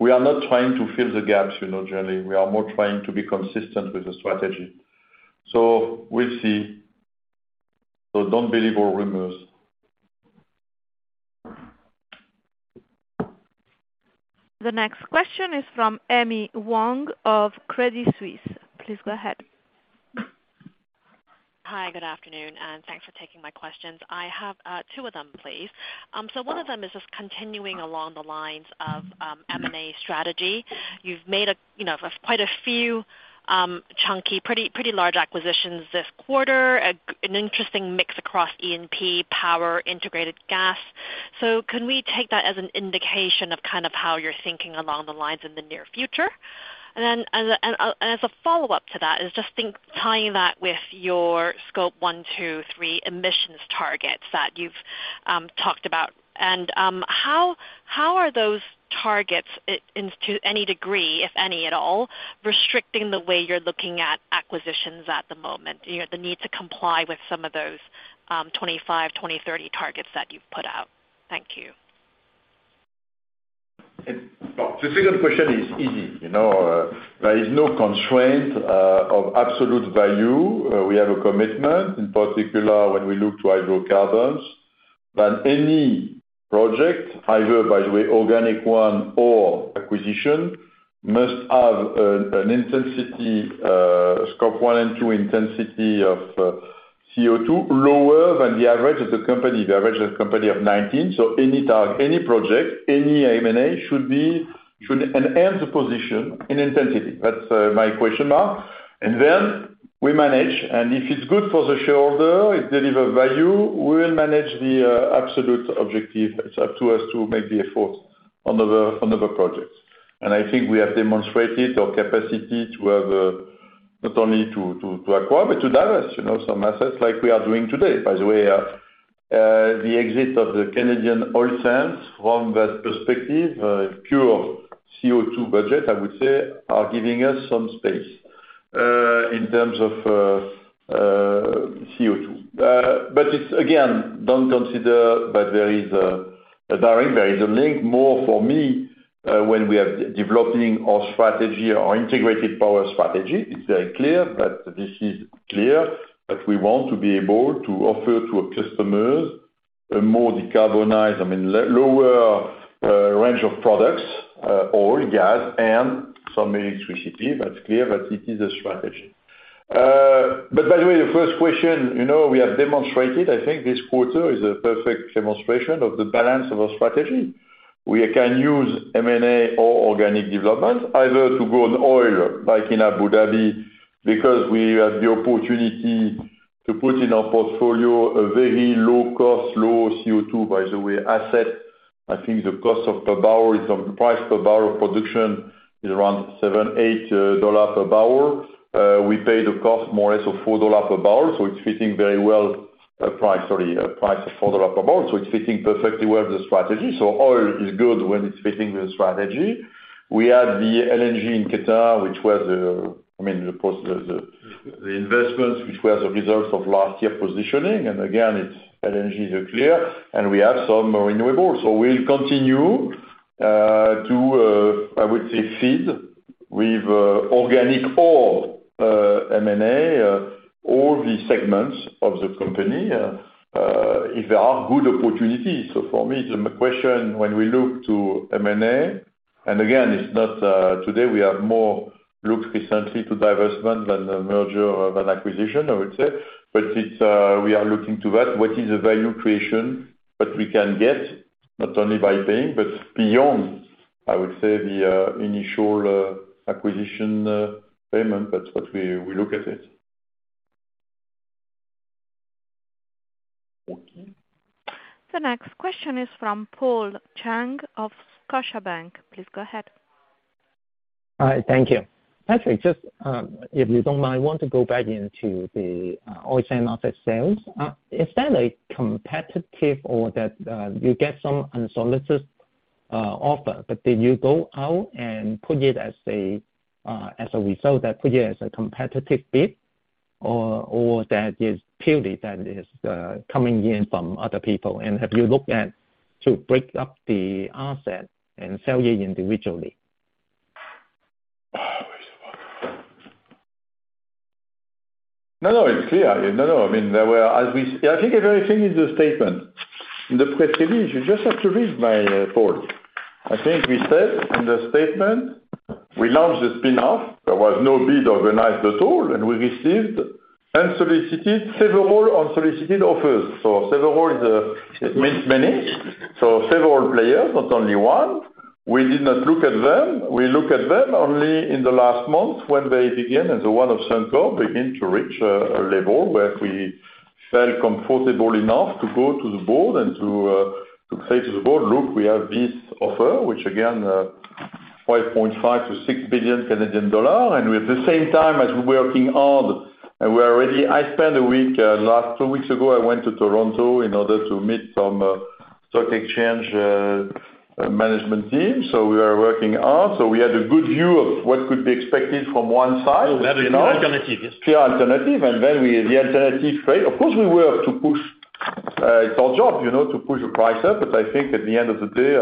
Speaker 2: We are not trying to fill the gaps, you know, generally, we are more trying to be consistent with the strategy. We'll see. Don't believe all rumors.
Speaker 1: The next question is from Amy Wong of Credit Suisse. Please go ahead.
Speaker 14: Hi, good afternoon, and thanks for taking my questions. I have two of them, please. One of them is just continuing along the lines of M&A strategy. You've made a, you know, quite a few chunky, pretty large acquisitions this quarter, an interesting mix across EMP, power, integrated gas. Can we take that as an indication of kind of how you're thinking along the lines in the near future? Then, as a follow-up to that is just think tying that with your Scope 1, 2, 3 emissions targets that you've talked about. How are those targets, in to any degree, if any at all, restricting the way you're looking at acquisitions at the moment? You know, the need to comply with some of those 2025, 2030 targets that you've put out. Thank you.
Speaker 2: The second question is easy. You know, there is no constraint of absolute value. We have a commitment, in particular when we look to hydrocarbons, that any project, either by the way, organic one or acquisition, must have an intensity, Scope one and two intensity of CO2 lower than the average of the company of 19. Any project, any M&A should enhance the position in intensity. That's my question now. Then we manage, if it's good for the shareholder, it delivers value, we will manage the absolute objective. It's up to us to make the effort. On other projects. I think we have demonstrated our capacity to have not only to acquire but to divest, you know, some assets like we are doing today. By the way, the exit of the Canadian oil sands from that perspective, pure CO2 budget, I would say, are giving us some space, in terms of CO2. It's again, don't consider that there is a direct, there is a link more for me, when we are developing our strategy, our integrated power strategy, it's very clear that we want to be able to offer to our customers a more decarbonized, I mean, lower, range of products, oil, gas, and some electricity. That's clear that it is a strategy. By the way, the first question, you know, we have demonstrated, I think this quarter is a perfect demonstration of the balance of our strategy. We can use M&A or organic development either to grow in oil like in Abu Dhabi, because we have the opportunity to put in our portfolio a very low cost, low CO2, by the way, asset. I think the cost of per barrel is price per barrel of production is around $7-$8 per barrel. We pay the cost more or less of $4 per barrel, so it's fitting very well, price, sorry, price of $4 per barrel, so it's fitting perfectly well with the strategy. Oil is good when it's fitting the strategy. We have the LNG in Qatar, which was, I mean, of course, the investment which was a result of last year positioning. It's LNG is clear, and we have some renewable. We'll continue to I would say feed with organic or M&A all the segments of the company if there are good opportunities. For me, the question when we look to M&A, and again, it's not today, we have more looks recently to divestment than a merger or than acquisition, I would say. It's we are looking to that, what is the value creation that we can get, not only by paying but beyond, I would say, the initial acquisition payment. That's what we look at it.
Speaker 14: Okay.
Speaker 1: The next question is from Paul Cheng of Scotiabank. Please go ahead.
Speaker 15: All right. Thank you. Patrick, just, if you don't mind, want to go back into the oil sands asset sales. Is that a competitive or that, you get some unsolicited, offer, but then you go out and put it as a, as a result that put it as a competitive bid or that is purely coming in from other people? Have you looked at to break up the asset and sell it individually?
Speaker 2: No, no, it's clear. No, no. I mean, there were, I think everything is a statement. In the press release, you just have to read my report. I think we said in the statement, we launched the spin-off. There was no bid organized at all. We received unsolicited, several unsolicited offers. Several is means many. Several players, not only one. We did not look at them. We look at them only in the last month when they begin, the one of Suncor begin to reach a level where we felt comfortable enough to go to the board and to say to the board, "Look, we have this offer," which again, 5.5 billion-6 billion Canadian dollars. At the same time as we're working hard and we are ready, I spent a week, last two weeks ago, I went to Toronto in order to meet some stock exchange management team. We are working hard. We had a good view of what could be expected from one side, you know?
Speaker 15: You have a clear alternative, yes.
Speaker 2: Clear alternative, then we, the alternative, right? Of course, we were to push. It's our job, you know, to push the price up. I think at the end of the day,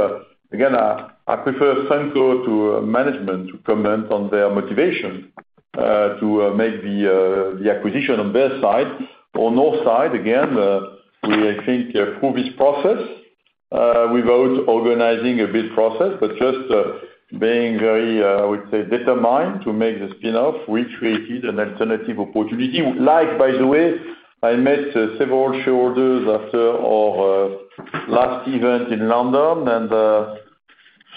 Speaker 2: again, I prefer Suncor to management to comment on their motivation to make the acquisition on their side. On our side, again, we, I think, approve this process without organizing a bid process, just being very, I would say, determined to make the spin-off, which created an alternative opportunity. Like, by the way, I met several shareholders after our last event in London.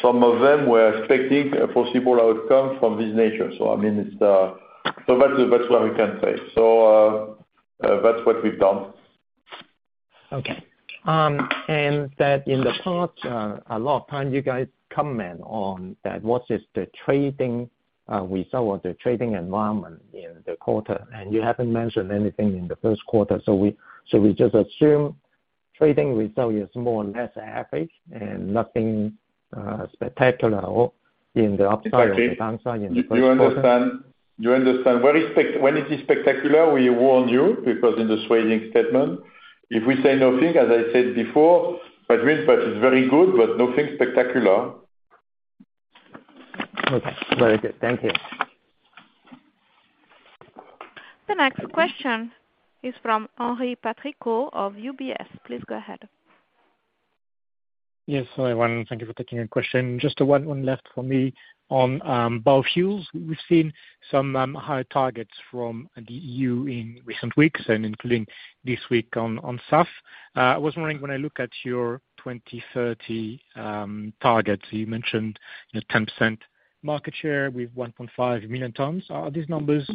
Speaker 2: Some of them were expecting a possible outcome from this nature. I mean, it's, that's what I can say. That's what we've done.
Speaker 15: Okay. That in the past, a lot of time you guys comment on that what is the trading, result or the trading environment in the quarter, and you haven't mentioned anything in the Q1. We just assume trading result is more or less average and nothing, spectacular or in the upside or the downside in the Q1?
Speaker 2: Exactly. You understand. You understand. Very spec- when it is spectacular, we warn you because in the swaying statement, if we say nothing, as I said before, that means that it's very good, but nothing spectacular.
Speaker 15: That's very good. Thank you.
Speaker 1: The next question is from Henri Patricot of UBS. Please go ahead.
Speaker 16: Yes. Hi, everyone. Thank you for taking the question. Just one left for me on biofuels. We've seen some high targets from the EU in recent weeks and including this week on SAF. I was wondering when I look at your 2030 targets, you mentioned, you know, 10% market share with 1.5 million tons. Are these numbers,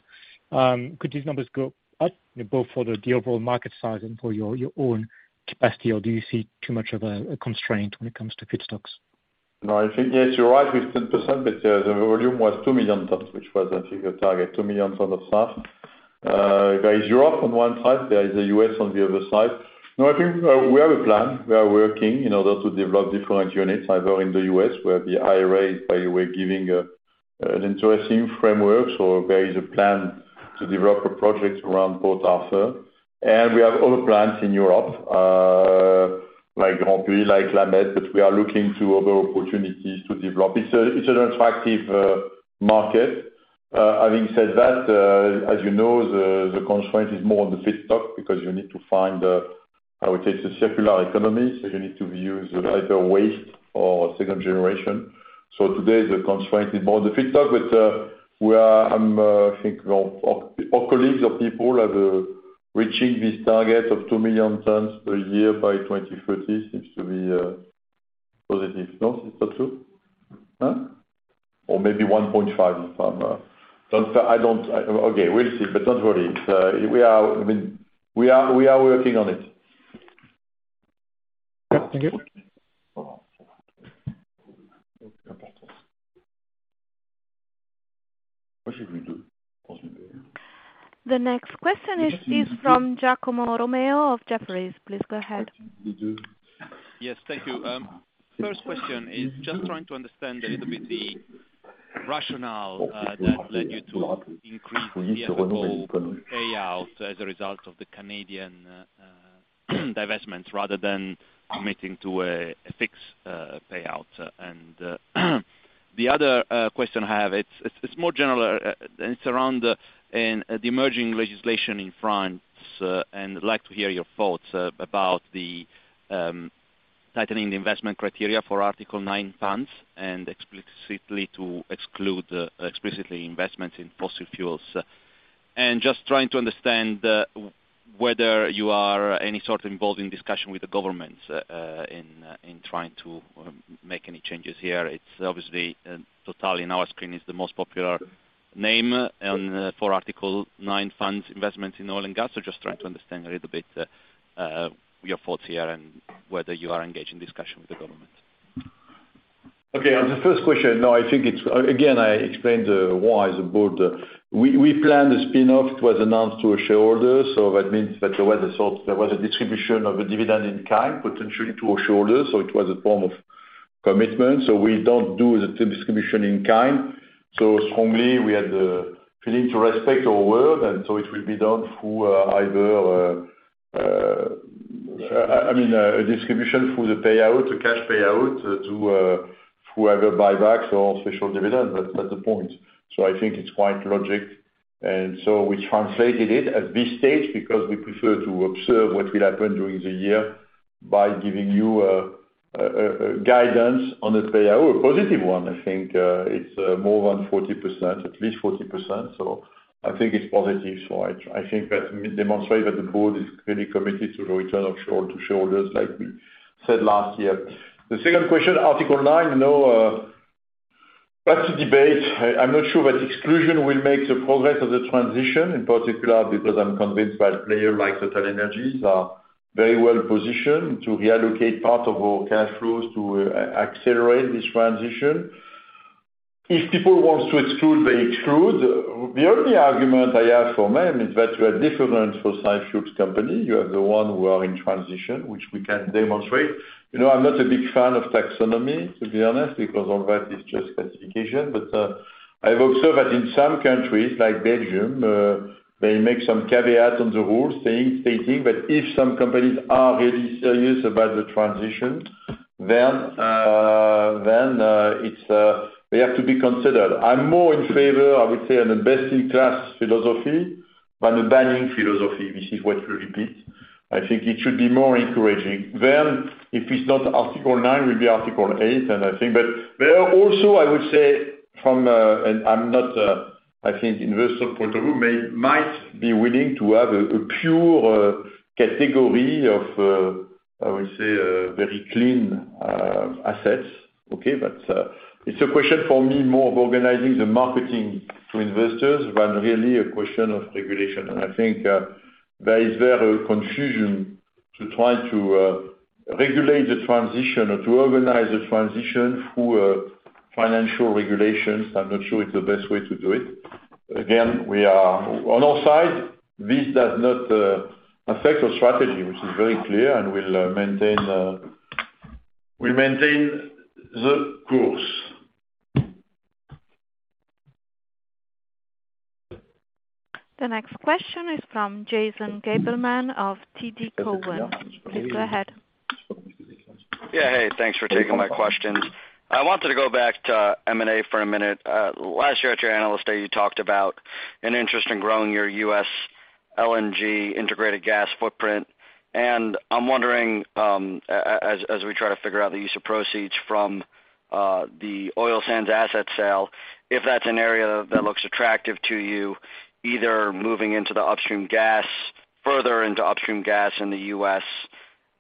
Speaker 16: could these numbers go up both for the overall market size and for your own capacity, or do you see too much of a constraint when it comes to feedstocks?
Speaker 2: I think, yes, you're right, with 10%, but the volume was 2 million tons, which was, I think, the target, 2 million tons of SAF. There is Europe on one side, there is the U.S. on the other side. I think we have a plan. We are working in order to develop different units, either in the U.S., where the IRA is, by a way, giving an interesting framework. There is a plan to develop a project around Port Arthur. We have other plans in Europe, like Grandpuits, like La Mède, but we are looking to other opportunities to develop. It's an attractive market. Having said that, as you know, the constraint is more on the feedstock because you need to find, I would say, the circular economy. You need to use either waste or second generation. Today the constraint is more on the feedstock, but we are, I think our colleagues or people are the... Reaching this target of 2 million tons per year by 2030 seems to be positive. No, is that true? Huh? Or maybe 1.5 if I'm. I don't. Okay, we'll see, but don't worry. We are, I mean, we are working on it.
Speaker 16: Thank you.
Speaker 2: What should we do?
Speaker 1: The next question is from Giacomo Romeo of Jefferies. Please go ahead.
Speaker 17: Yes. Thank you. First question is just trying to understand a little bit the rationale that led you to increase the overall payout as a result of the Canadian divestment rather than committing to a fixed payout. The other question I have, it's more general. It's around the emerging legislation in France, and I'd like to hear your thoughts about the tightening the investment criteria for Article 9 funds and explicitly to exclude investments in fossil fuels. Just trying to understand whether you are any sort involved in discussion with the government in trying to make any changes here. It's obviously, Total in our screen is the most popular name for Article 9 funds investments in oil and gas just trying to understand a little bit, your thoughts here and whether you are engaged in discussion with the government.
Speaker 2: Okay. On the first question, no, I think it's again, I explained why the board. We planned the spin-off. It was announced to our shareholders, so that means that there was a sort, there was a distribution of a dividend in kind potentially to our shareholders, so it was a form of commitment. We don't do the distribution in kind. Strongly, we had the feeling to respect our word, and so it will be done through either, I mean, a distribution through the payout, a cash payout to through either buybacks or special dividend. That's the point. I think it's quite logic. We translated it at this stage because we prefer to observe what will happen during the year by giving you guidance on the payout, a positive one, I think. It's more than 40%, at least 40%, so I think it's positive. I think that demonstrates that the board is really committed to the return of share to shareholders, like we said last year. The second question, Article 9. No, that's a debate. I'm not sure that exclusion will make the progress of the transition, in particular, because I'm convinced by player like TotalEnergies are very well positioned to accelerate this transition. If people wants to exclude, they exclude. The only argument I have for them is that you are different for safe fuels company. You are the one who are in transition, which we can demonstrate. You know, I'm not a big fan of taxonomy, to be honest, because all that is just specification. I've observed that in some countries, like Belgium, they make some caveats on the rules saying, stating that if some companies are really serious about the transition, then, it's, they have to be considered. I'm more in favor, I would say, an investing class philosophy than a banning philosophy. This is what we repeat. I think it should be more encouraging. If it's not Article 9, will be Article 8, and I think. There are also, I would say, from, and I'm not, I think investor point of view, might be willing to have a pure, category of, I would say, very clean, assets, okay? It's a question for me more of organizing the marketing to investors than really a question of regulation. I think, there is a confusion to try to regulate the transition or to organize the transition through financial regulations. I'm not sure it's the best way to do it. Again, on our side, this does not affect our strategy, which is very clear and we'll maintain the course.
Speaker 1: The next question is from Jason Gabelman of TD Cowen. Please go ahead.
Speaker 18: Yeah. Hey, thanks for taking my questions. I wanted to go back to M&A for a minute. Last year at your Analyst Day, you talked about an interest in growing your U.S. LNG integrated gas footprint. I'm wondering, as we try to figure out the use of proceeds from the oil sands asset sale, if that's an area that looks attractive to you, either moving into the upstream gas, further into upstream gas in the U.S.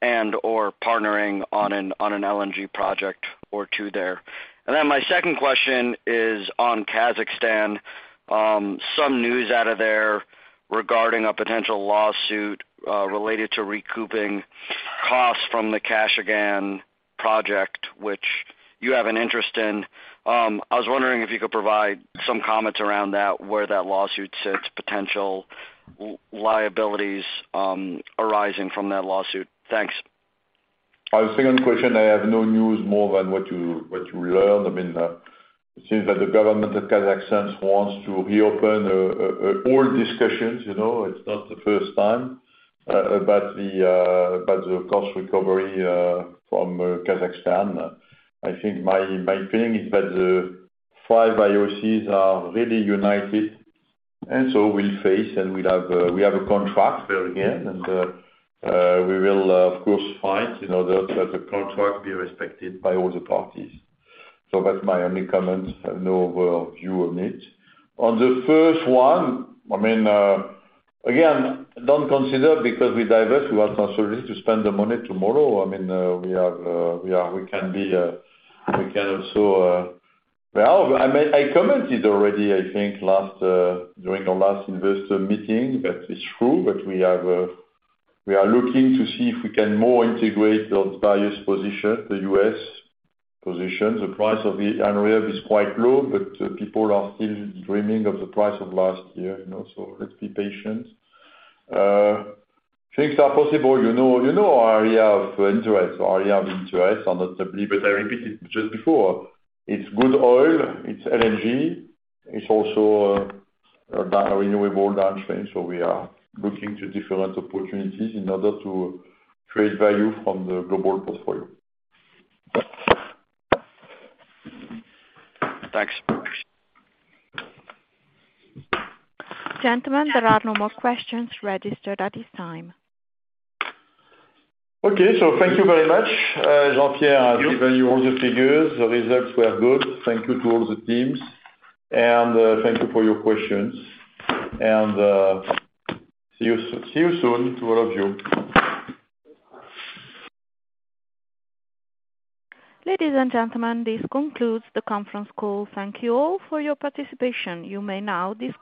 Speaker 18: and or partnering on an LNG project or two there. My second question is on Kazakhstan. Some news out of there regarding a potential lawsuit, related to recouping costs from the Kashagan project, which you have an interest in. I was wondering if you could provide some comments around that, where that lawsuit sits, potential liabilities, arising from that lawsuit. Thanks.
Speaker 2: On the second question, I have no news more than what you learned. I mean, it seems that the government of Kazakhstan wants to reopen all discussions. You know, it's not the first time, about the cost recovery from Kazakhstan. I think my feeling is that the five IOCs are really united, we'll face and we have a contract there, again, we will, of course, fight in order for the contract be respected by all the parties. That's my only comment. I have no other view on it. On the first one, I mean, again, don't consider because we divest, we have no choice to spend the money tomorrow. I mean, we are... We can be, we can also, well, I commented already, I think last, during our last investor meeting, that it's true that we are looking to see if we can more integrate those various position, the U.S. position. The price of the Henry Hub is quite low, but people are still dreaming of the price of last year, you know, so let's be patient. Things are possible. You know, you know our area of interest. Our area of interest are not simply, but I repeated just before, it's good oil, it's LNG. It's also, renewable downstream. We are looking to different opportunities in order to create value from the global portfolio.
Speaker 18: Thanks.
Speaker 1: Gentlemen, there are no more questions registered at this time.
Speaker 2: Thank you very much. Jean-Pierre has given you all the figures. The results were good. Thank you to all the teams, and thank you for your questions. See you soon to all of you.
Speaker 1: Ladies and gentlemen, this concludes the conference call. Thank you all for your participation. You may now disconnect.